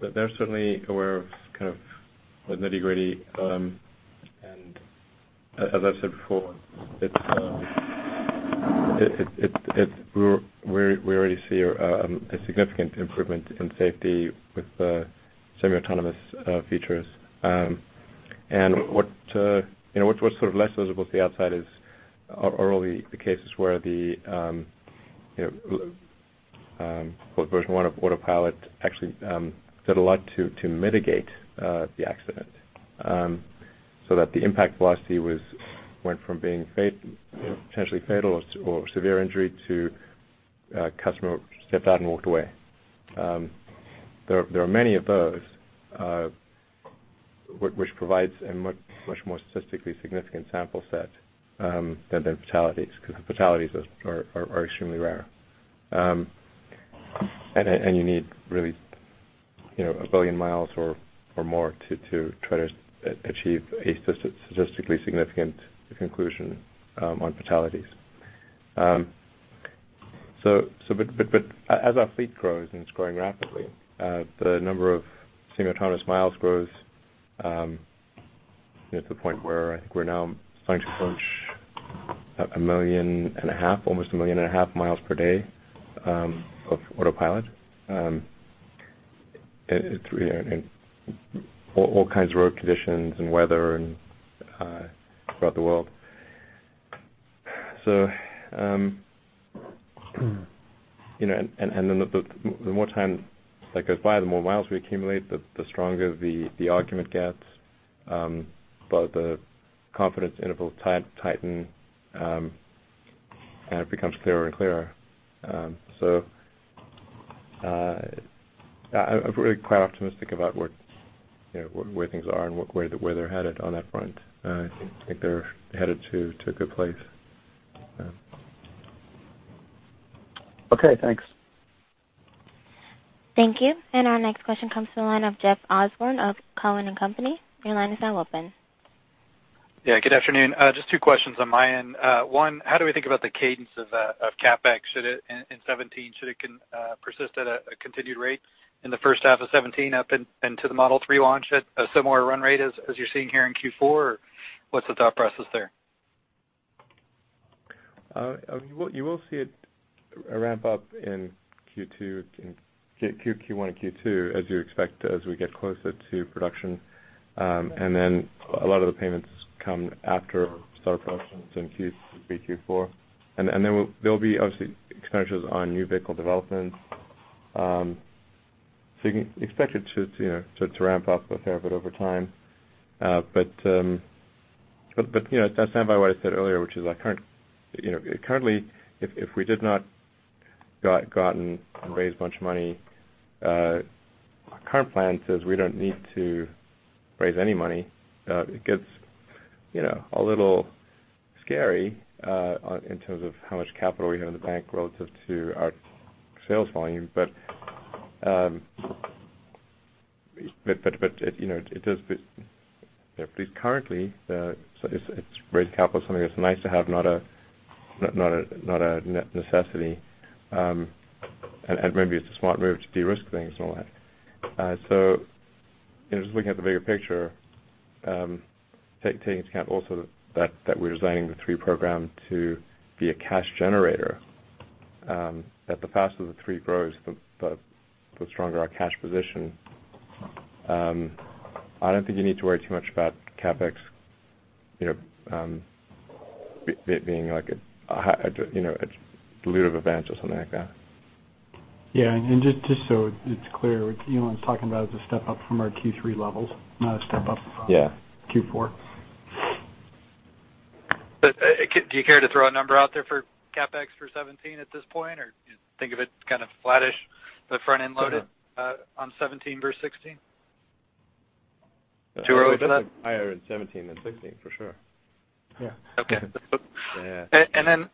They're certainly aware of kind of the nitty-gritty. As I've said before, it's, we already see a significant improvement in safety with the semi-autonomous features. What, you know, what's sort of less visible to the outside is, are all the cases where the, you know, well version one of Autopilot actually did a lot to mitigate the accident, so that the impact velocity was, went from being potentially fatal or severe injury to a customer stepped out and walked away. There are many of those, which provides a much more statistically significant sample set than the fatalities, 'cause the fatalities are extremely rare. You need really, you know, a billion miles or more to try to achieve a statistically significant conclusion on fatalities. As our fleet grows, and it's growing rapidly, the number of semi-autonomous miles grows, you know, to the point where I think we're now starting to approach 1.5 million, almost 1.5 million miles per-day of Autopilot in all kinds of road conditions and weather and throughout the world. The more time that goes by, the more miles we accumulate, the stronger the argument gets, both the confidence intervals tighten, and it becomes clearer and clearer. I'm really quite optimistic about where, you know, where things are and where they're headed on that front. I think they're headed to a good place. Okay, thanks. Thank you. Our next question comes from the line of Jeff Osborne of Cowen & Company. Your line is now open. Yeah, good afternoon. Just 2 questions on my end. 1, how do we think about the cadence of CapEx? Should it, in 2017, should it persist at a continued rate in the first half of 2017 up until the Model 3 launch at a similar run rate as you're seeing here in Q4? What's the thought process there? You will see it ramp up in Q1 and Q2, as you expect, as we get closer to production. Then a lot of the payments come after we start production, so in Q3, Q4. There'll be obviously expenditures on new vehicle development. You can expect it to, you know, to ramp up a fair bit over time. But you know, to stand by what I said earlier, which is I, you know, currently if we did not go out and raise a bunch of money, our current plan says we don't need to raise any money. It gets, you know, a little scary, on, in terms of how much capital we have in the bank relative to our sales volume. You know, it does, but at least currently, so it's raised capital, something that's nice to have, not a necessity. Maybe it's a smart move to de-risk things and all that. Just looking at the bigger picture, taking into account also that we're designing the three program to be a cash generator, that the faster the three grows, the stronger our cash position. I don't think you need to worry too much about CapEx, you know, it being like a, you know, a dilutive events or something like that. Yeah. Just so it's clear, what Elon's talking about is a step up from our Q3 levels. Yeah Q4. Do you care to throw a number out there for CapEx for 2017 at this point, or do you think of it kind of flattish, but front-end loaded? No. On 2017 versus 2016? Too early for that? It'll definitely be higher in 2017 than 2016, for sure. Yeah. Okay. Yeah. Then,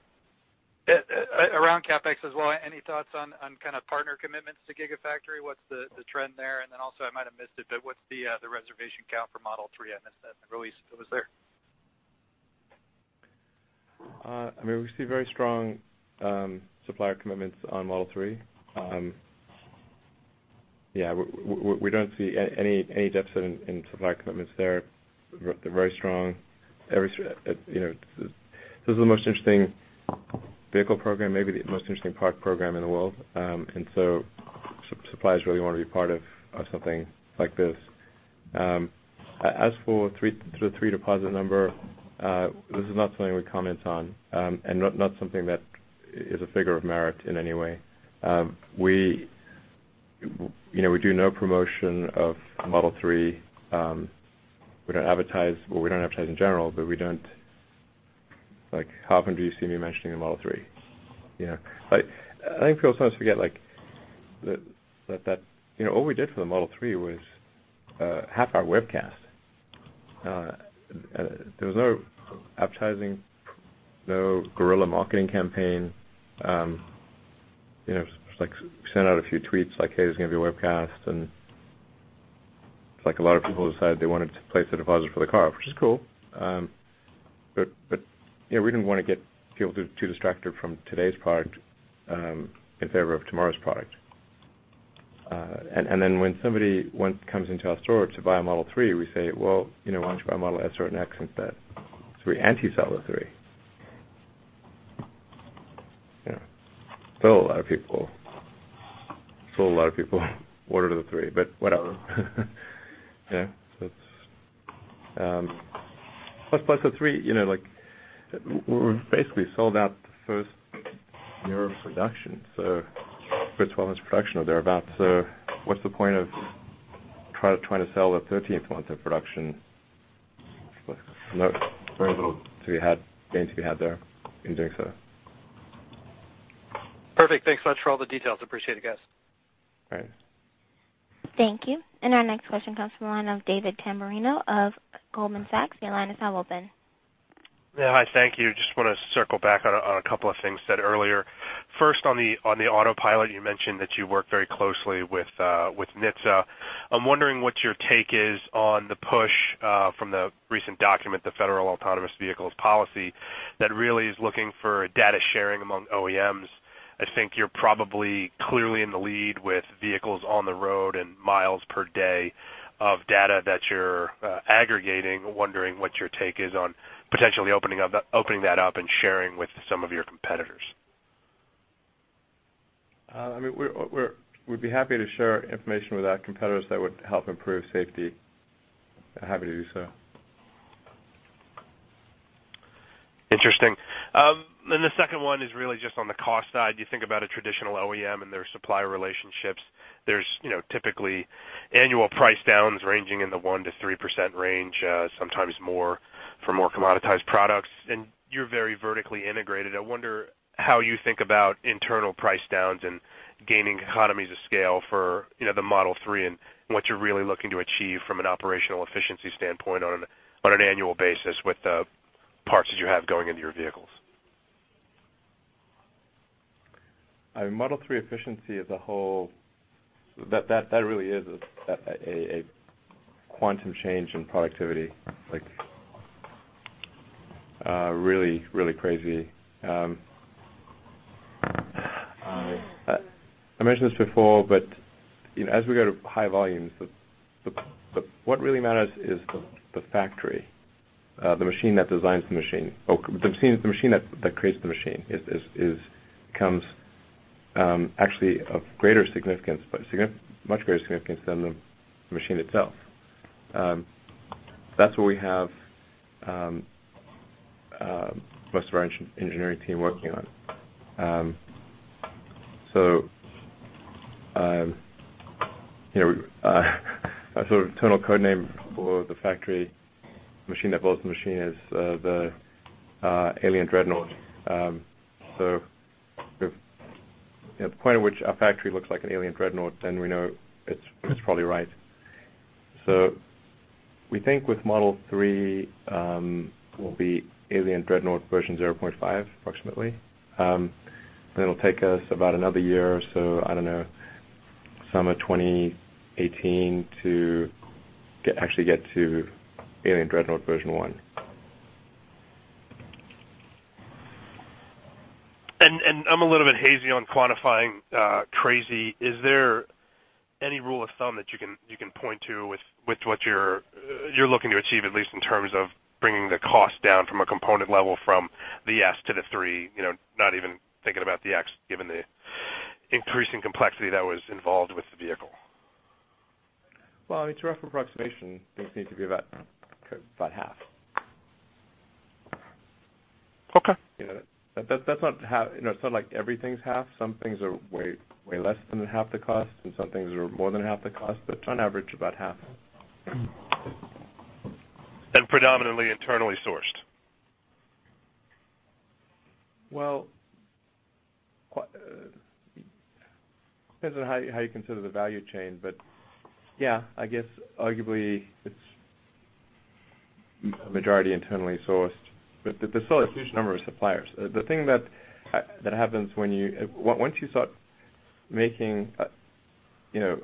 around CapEx as well, any thoughts on kind of partner commitments to Gigafactory? What's the trend there? Then also, I might have missed it, but what's the reservation count for Model 3? I missed that in the release that was there. I mean, we see very strong supplier commitments on Model 3. Yeah, we don't see any deficit in supply commitments there. They're very strong. Every, you know, this is the most interesting vehicle program, maybe the most interesting product program in the world. Suppliers really wanna be part of something like this. As for 3, the 3 deposit number, this is not something we comment on, and not something that is a figure of merit in any way. We, you know, we do no promotion of Model 3. We don't advertise, well, we don't advertise in general, but we don't Like, how often do you see me mentioning the Model 3? You know. Like, I think people sometimes forget, like, that, you know, all we did for the Model 3 was have our webcast. There was no advertising, no guerrilla marketing campaign. You know, just like sent out a few tweets like, "Hey, there's gonna be a webcast," and like, a lot of people decided they wanted to place a deposit for the car, which is cool. Yeah, we didn't wanna get people too distracted from today's product in favor of tomorrow's product. Then when somebody comes into our store to buy a Model 3, we say, "Well, you know, why don't you buy a Model S or an X instead of 3?" You sell the 3. You know. Sold a lot of people ordered the 3, but whatever. Yeah, that's plus, the 3, you know, like, we're basically sold out the first year of production, so first 12 months of production or thereabout. What's the point of trying to sell the 13th month of production with no [available 3 had gains] we had there in doing so. Perfect. Thanks so much for all the details. Appreciate it, guys. All right. Thank you. Our next question comes from the line of David Tamberrino of Goldman Sachs. Your line is now open. Yeah. Hi, thank you. Just wanna circle back on a couple of things said earlier. First, on the Autopilot, you mentioned that you work very closely with NHTSA. I'm wondering what your take is on the push from the recent document, the Federal Automated Vehicles Policy, that really is looking for data sharing among OEMs. I think you're probably clearly in the lead with vehicles on the road and miles per day of data that you're aggregating. Wondering what your take is on potentially opening that up and sharing with some of your competitors. I mean, we'd be happy to share information with our competitors that would help improve safety. Happy to do so. Interesting. The second one is really just on the cost side. You think about a traditional OEM and their supplier relationships. There's, you know, typically annual price downs ranging in the 1%-3% range, sometimes more for more commoditized products, and you're very vertically integrated. I wonder how you think about internal price downs and gaining economies of scale for, you know, the Model 3 and what you're really looking to achieve from an operational efficiency standpoint on an annual basis with the parts that you have going into your vehicles. I mean, Model 3 efficiency as a whole, that really is a quantum change in productivity, like really crazy. I mentioned this before, but, you know, as we go to high volumes, the What really matters is the factory, the machine that designs the machine, or the machine that creates the machine is, comes actually of greater significance, but much greater significance than the machine itself. That's where we have most of our engineering team working on. You know, we our sort of internal code name for the factory machine that builds the machine is the Alien Dreadnought. So if, you know, the point at which our factory looks like an Alien Dreadnought, then we know it's probably right. We think with Model 3, we'll be Alien Dreadnought version 0.5, approximately. It'll take us about another year or so, I don't know, summer 2018 to actually get to Alien Dreadnought version 1. I'm a little bit hazy on quantifying crazy. Is there any rule of thumb that you can point to with what you're looking to achieve, at least in terms of bringing the cost down from a component level from the S to the 3, you know, not even thinking about the X, given the increasing complexity that was involved with the vehicle? Well, I mean, it's a rough approximation. Things need to be about half. Okay. You know, that's not You know, it's not like everything's half. Some things are way less than half the cost, and some things are more than half the cost, but on average, about half. Predominantly internally sourced? Well, depends on how you consider the value chain, yeah, I guess arguably it's majority internally sourced. There's still a huge number of suppliers. The thing that happens when you once you start making, you know,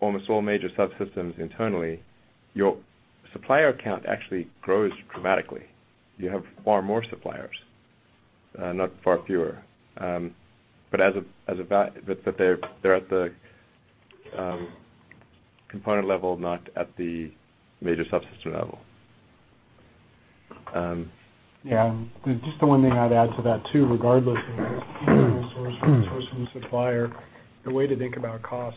almost all major subsystems internally, your supplier count actually grows dramatically. You have far more suppliers, not far fewer. They're at the component level, not at the major subsystem level. Yeah. Just the one thing I'd add to that too, regardless of whether it's internally sourced or sourced from the supplier, the way to think about cost,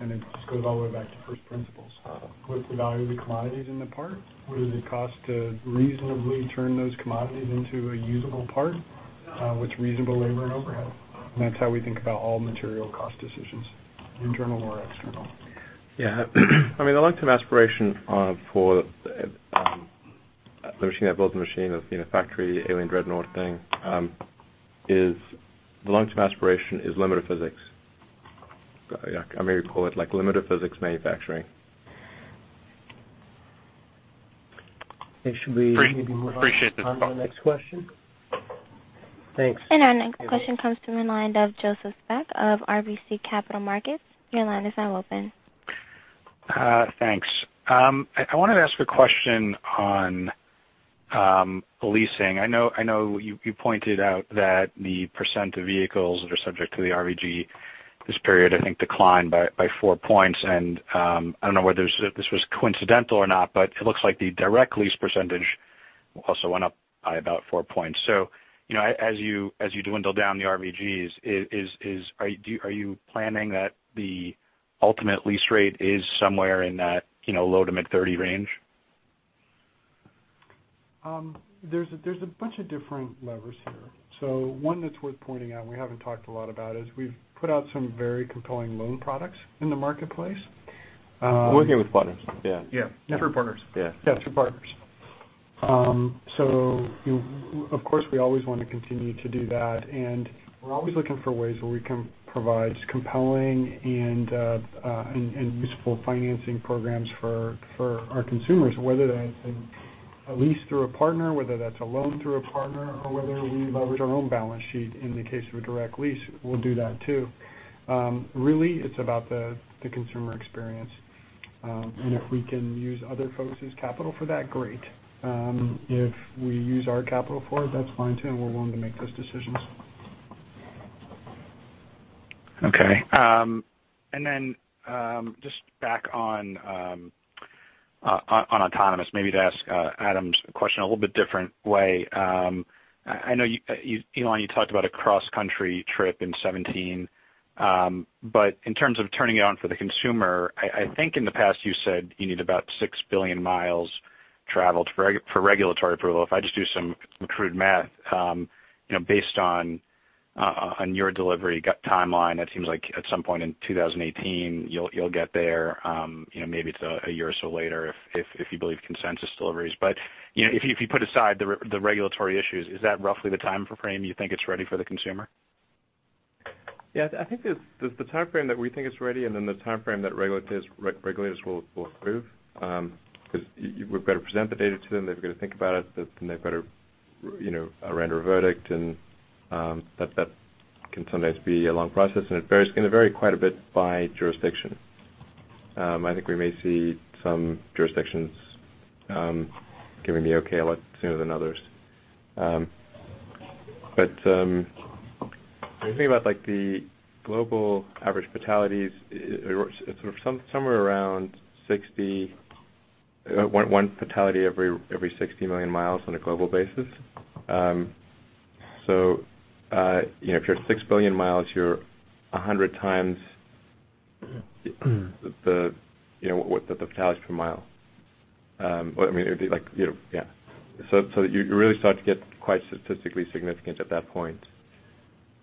and it just goes all the way back to first principles. What's the value of the commodities in the parts? What does it cost to reasonably turn those commodities into a usable part? What's reasonable labor and overhead? That's how we think about all material cost decisions, internal or external. Yeah. I mean, the long-term aspiration, for the machine that builds the machine of, you know, factory Alien Dreadnought thing, is the long-term aspiration limit of physics. Yeah, I may call it like limit of physics manufacturing. I think. Appreciate the- Maybe move on to the next question? Thanks. Our next question comes from the line of Joseph Spak of RBC Capital Markets. Your line is now open. Thanks. I wanted to ask a question on leasing. I know you pointed out that the percent of vehicles that are subject to the RVG this period, I think, declined by 4 points. I don't know whether this was coincidental or not, but it looks like the direct lease percentage also went up by about 4 points. You know, as you dwindle down the RVGs, are you planning that the ultimate lease rate is somewhere in that, you know, low to mid 30 range? There's a bunch of different levers here. One that's worth pointing out, and we haven't talked a lot about is we've put out some very compelling loan products in the marketplace. Working with partners, yeah. Yeah. Through partners. Yeah. Yeah, through partners. You know, of course, we always wanna continue to do that, and we're always looking for ways where we can provide compelling and useful financing programs for our consumers, whether that's a lease through a partner, whether that's a loan through a partner, or whether we leverage our own balance sheet in the case of a direct lease, we'll do that too. Really, it's about the consumer experience. If we can use other folks' capital for that, great. If we use our capital for it, that's fine, too, and we're willing to make those decisions. Okay. Just back on autonomous, maybe to ask Adam's question a little bit different way. I know you, Elon, you talked about a cross-country trip in 2017. In terms of turning it on for the consumer, I think in the past, you said you need about 6 billion miles traveled for regulatory approval. If I just do some crude math, you know, based on your delivery timeline, that seems like at some point in 2018, you'll get there, you know, maybe it's a year or so later if you believe consensus deliveries. You know, if you put aside the regulatory issues, is that roughly the timeframe you think it's ready for the consumer? Yeah. I think there's the timeframe that we think it's ready and then the timeframe that regulators will approve. 'Cause we've got to present the data to them. They've got to think about it. They've got to, you know, render a verdict and that can sometimes be a long process, and it varies, can vary quite a bit by jurisdiction. I think we may see some jurisdictions giving the okay a lot sooner than others. But when you think about, like, the global average fatalities, it's sort of somewhere around 60. One fatality every 60 million miles on a global basis. You know, if you're at 6 billion miles, you're 100 times the, you know, what the fatality is per mile. Well, I mean, it'd be like, you know, Yeah. You really start to get quite statistically significant at that point,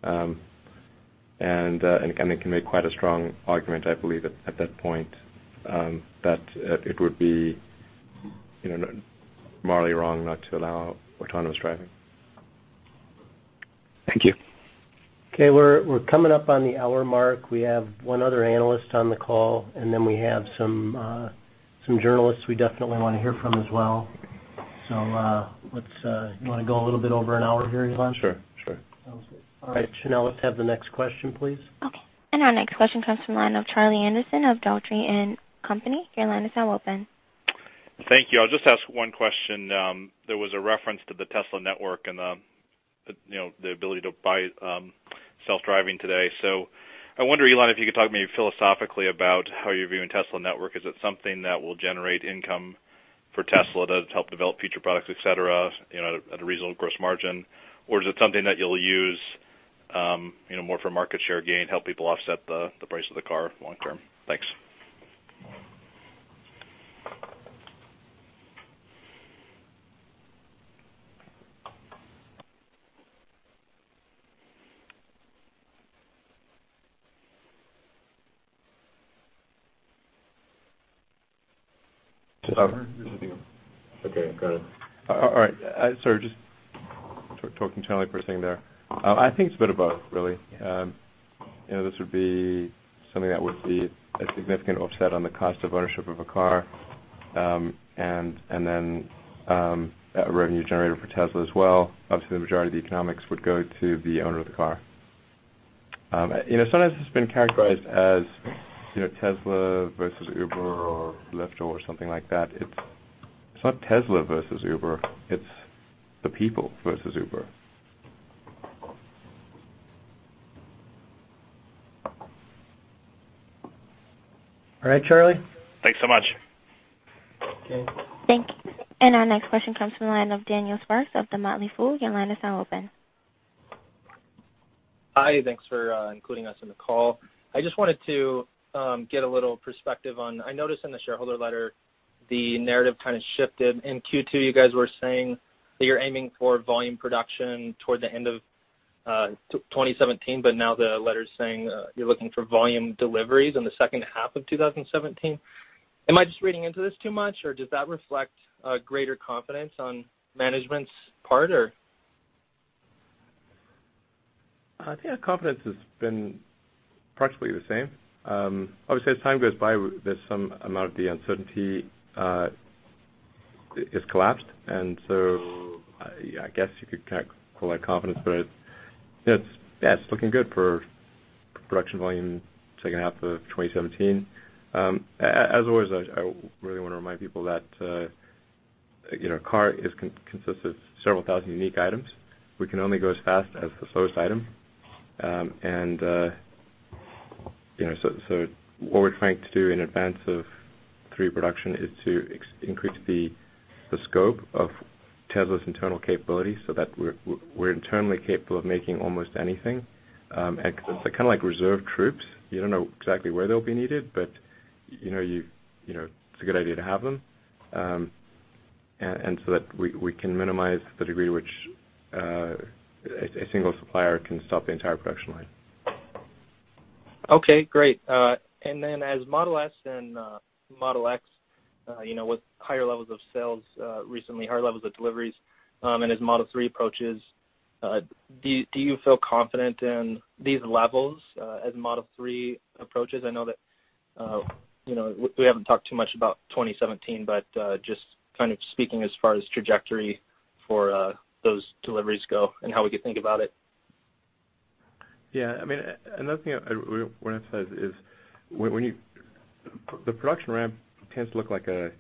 and can make quite a strong argument, I believe at that point, that it would be, you know, morally wrong not to allow autonomous driving. Thank you. Okay. We're coming up on the hour mark. We have one other analyst on the call, then we have some journalists we definitely wanna hear from as well. You wanna go a little bit over an hour here, Elon? Sure, sure. Sounds good. All right. Chanelle, let's have the next question, please. Okay. Our next question comes from the line of Charlie Anderson of Dougherty & Company. Your line is now open. Thank you. I'll just ask one question. There was a reference to the Tesla Network and, you know, the ability to buy self-driving today. I wonder, Elon, if you could talk to me philosophically about how you're viewing Tesla Network. Is it something that will generate income for Tesla to help develop future products, et cetera, you know, at a, at a reasonable gross margin? Is it something that you'll use, you know, more for market share gain, help people offset the price of the car long term? Thanks. Okay, got it. All right. Sorry, just talking to Jason for a second there. I think it's a bit of both really. You know, this would be something that would be a significant offset on the cost of ownership of a car, and then a revenue generator for Tesla as well. Obviously, the majority of the economics would go to the owner of the car. You know, sometimes it's been characterized as, you know, Tesla versus Uber or Lyft or something like that. It's not Tesla versus Uber, it's the people versus Uber. All right, Charlie. Thanks so much. Okay. Thank you. Our next question comes from the line of Daniel Sparks of The Motley Fool. Your line is now open. Hi, thanks for including us in the call. I just wanted to get a little perspective on, I noticed in the shareholder letter the narrative kind of shifted. In Q2, you guys were saying that you're aiming for volume production toward the end of 2017, but now the letter is saying you're looking for volume deliveries in the second half of 2017. Am I just reading into this too much or does that reflect a greater confidence on management's part or? I think our confidence has been practically the same. Obviously, as time goes by, there's some amount of the uncertainty is collapsed. I guess you could kind of call that confidence, but it's, yeah, it's looking good for production volume second half of 2017. As always, I really want to remind people that, you know, a car consists of several thousand unique items. We can only go as fast as the slowest item. You know, so what we're trying to do in advance of Model 3 production is to increase the scope of Tesla's internal capabilities so that we're internally capable of making almost anything. It's kind of like reserve troops. You don't know exactly where they'll be needed, but you know you know, it's a good idea to have them, and so that we can minimize the degree which a single supplier can stop the entire production line. Okay, great. As Model S and Model X, you know, with higher levels of sales, recently, higher levels of deliveries, as Model 3 approaches, do you feel confident in these levels, as Model 3 approaches? I know that, you know, we haven't talked too much about 2017, just kind of speaking as far as trajectory for those deliveries go and how we could think about it. Yeah, I mean, another thing we want to emphasize is the production ramp tends to look like it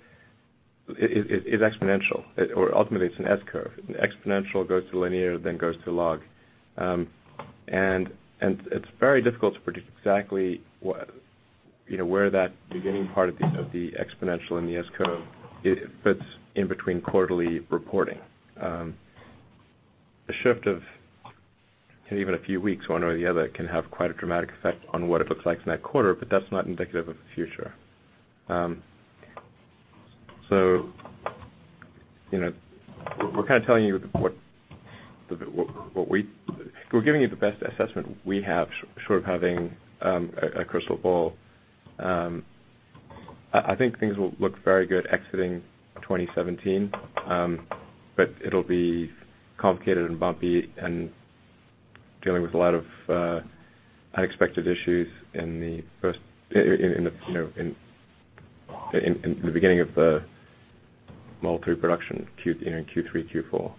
is exponential or ultimately it's an S curve. Exponential goes to linear then goes to log. It's very difficult to predict exactly what, you know, where that beginning part of the exponential in the S curve fits in between quarterly reporting. The shift of even a few weeks one way or the other can have quite a dramatic effect on what it looks like in that quarter, but that's not indicative of the future. You know, we're kind of telling you what we're giving you the best assessment we have short of having a crystal ball. I think things will look very good exiting 2017, but it'll be complicated and bumpy and dealing with a lot of unexpected issues in the beginning of the Model 3 production, Q3, Q4.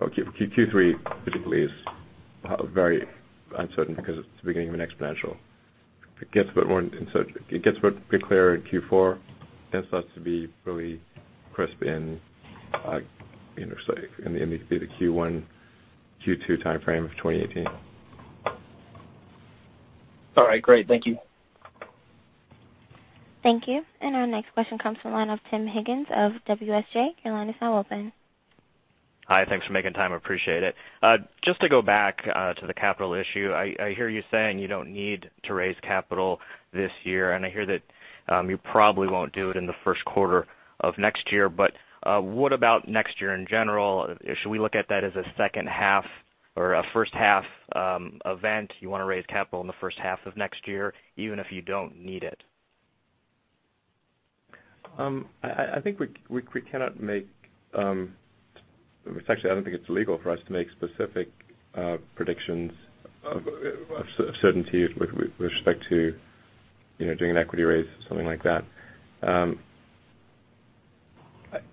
Q3 particularly is very uncertain because it's the beginning of an exponential. It gets a bit more, and so it gets a bit clearer in Q4 and starts to be really crisp in say in the Q1, Q2 timeframe of 2018. All right, great. Thank you. Thank you. Our next question comes from the line of Tim Higgins of WSJ. Your line is now open. Hi, thanks for making time. I appreciate it. Just to go back to the capital issue. I hear you saying you don't need to raise capital this year, and I hear that you probably won't do it in the first quarter of next year. What about next year in general? Should we look at that as a second half or a first half event? You wanna raise capital in the first half of next year even if you don't need it? I think we cannot make, actually, I don't think it's legal for us to make specific predictions of certainty with respect to, you know, doing an equity raise or something like that.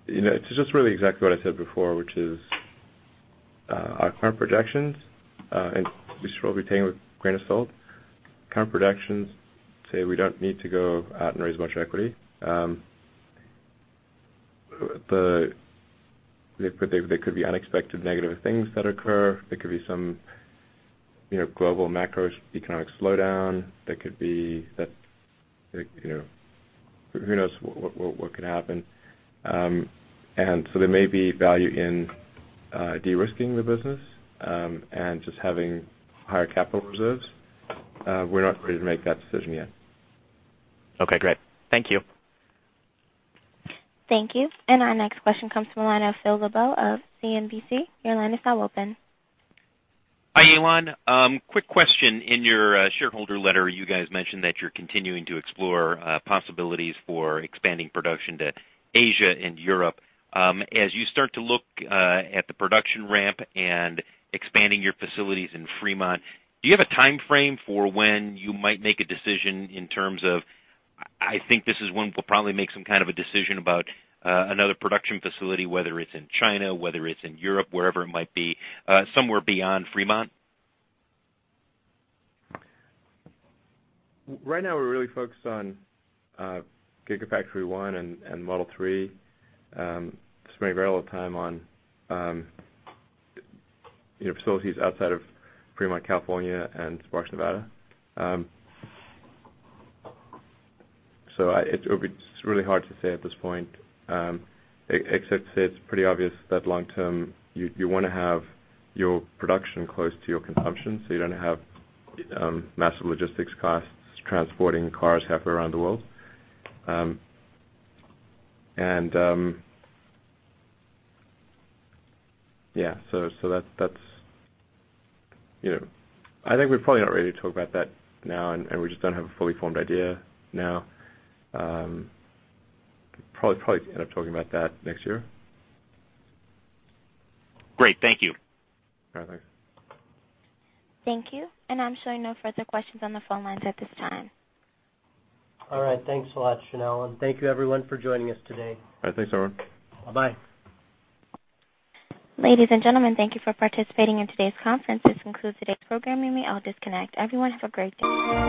You know, it's just really exactly what I said before, which is, our current projections, and we should all be taking it with a grain of salt. Current projections say we don't need to go out and raise much equity. There could be unexpected negative things that occur. There could be some, you know, global macroeconomic slowdown. There could be that, like, you know, who knows what could happen. There may be value in de-risking the business and just having higher capital reserves. We're not ready to make that decision yet. Okay, great. Thank you. Thank you. Our next question comes from the line of Phil LeBeau of CNBC. Your line is now open. Hi, Elon. Quick question. In your shareholder letter, you guys mentioned that you're continuing to explore possibilities for expanding production to Asia and Europe. As you start to look at the production ramp and expanding your facilities in Fremont, do you have a timeframe for when you might make a decision in terms of, I think this is when we'll probably make some kind of a decision about another production facility, whether it's in China, whether it's in Europe, wherever it might be, somewhere beyond Fremont? Right now, we're really focused on Gigafactory 1 and Model 3, spending very little time on, you know, facilities outside of Fremont, California, and Sparks, Nevada. It's really hard to say at this point, except to say it's pretty obvious that long-term, you wanna have your production close to your consumption, so you don't have massive logistics costs transporting cars halfway around the world. Yeah, that's, you know. I think we're probably not ready to talk about that now, and we just don't have a fully formed idea now. Probably end up talking about that next year. Great. Thank you. All right, thanks. Thank you. I'm showing no further questions on the phone lines at this time. All right. Thanks a lot, Chanelle. Thank you everyone for joining us today. All right. Thanks, everyone. Bye-bye. Ladies and gentlemen, thank you for participating in today's conference. This concludes today's program. You may all disconnect. Everyone, have a great day.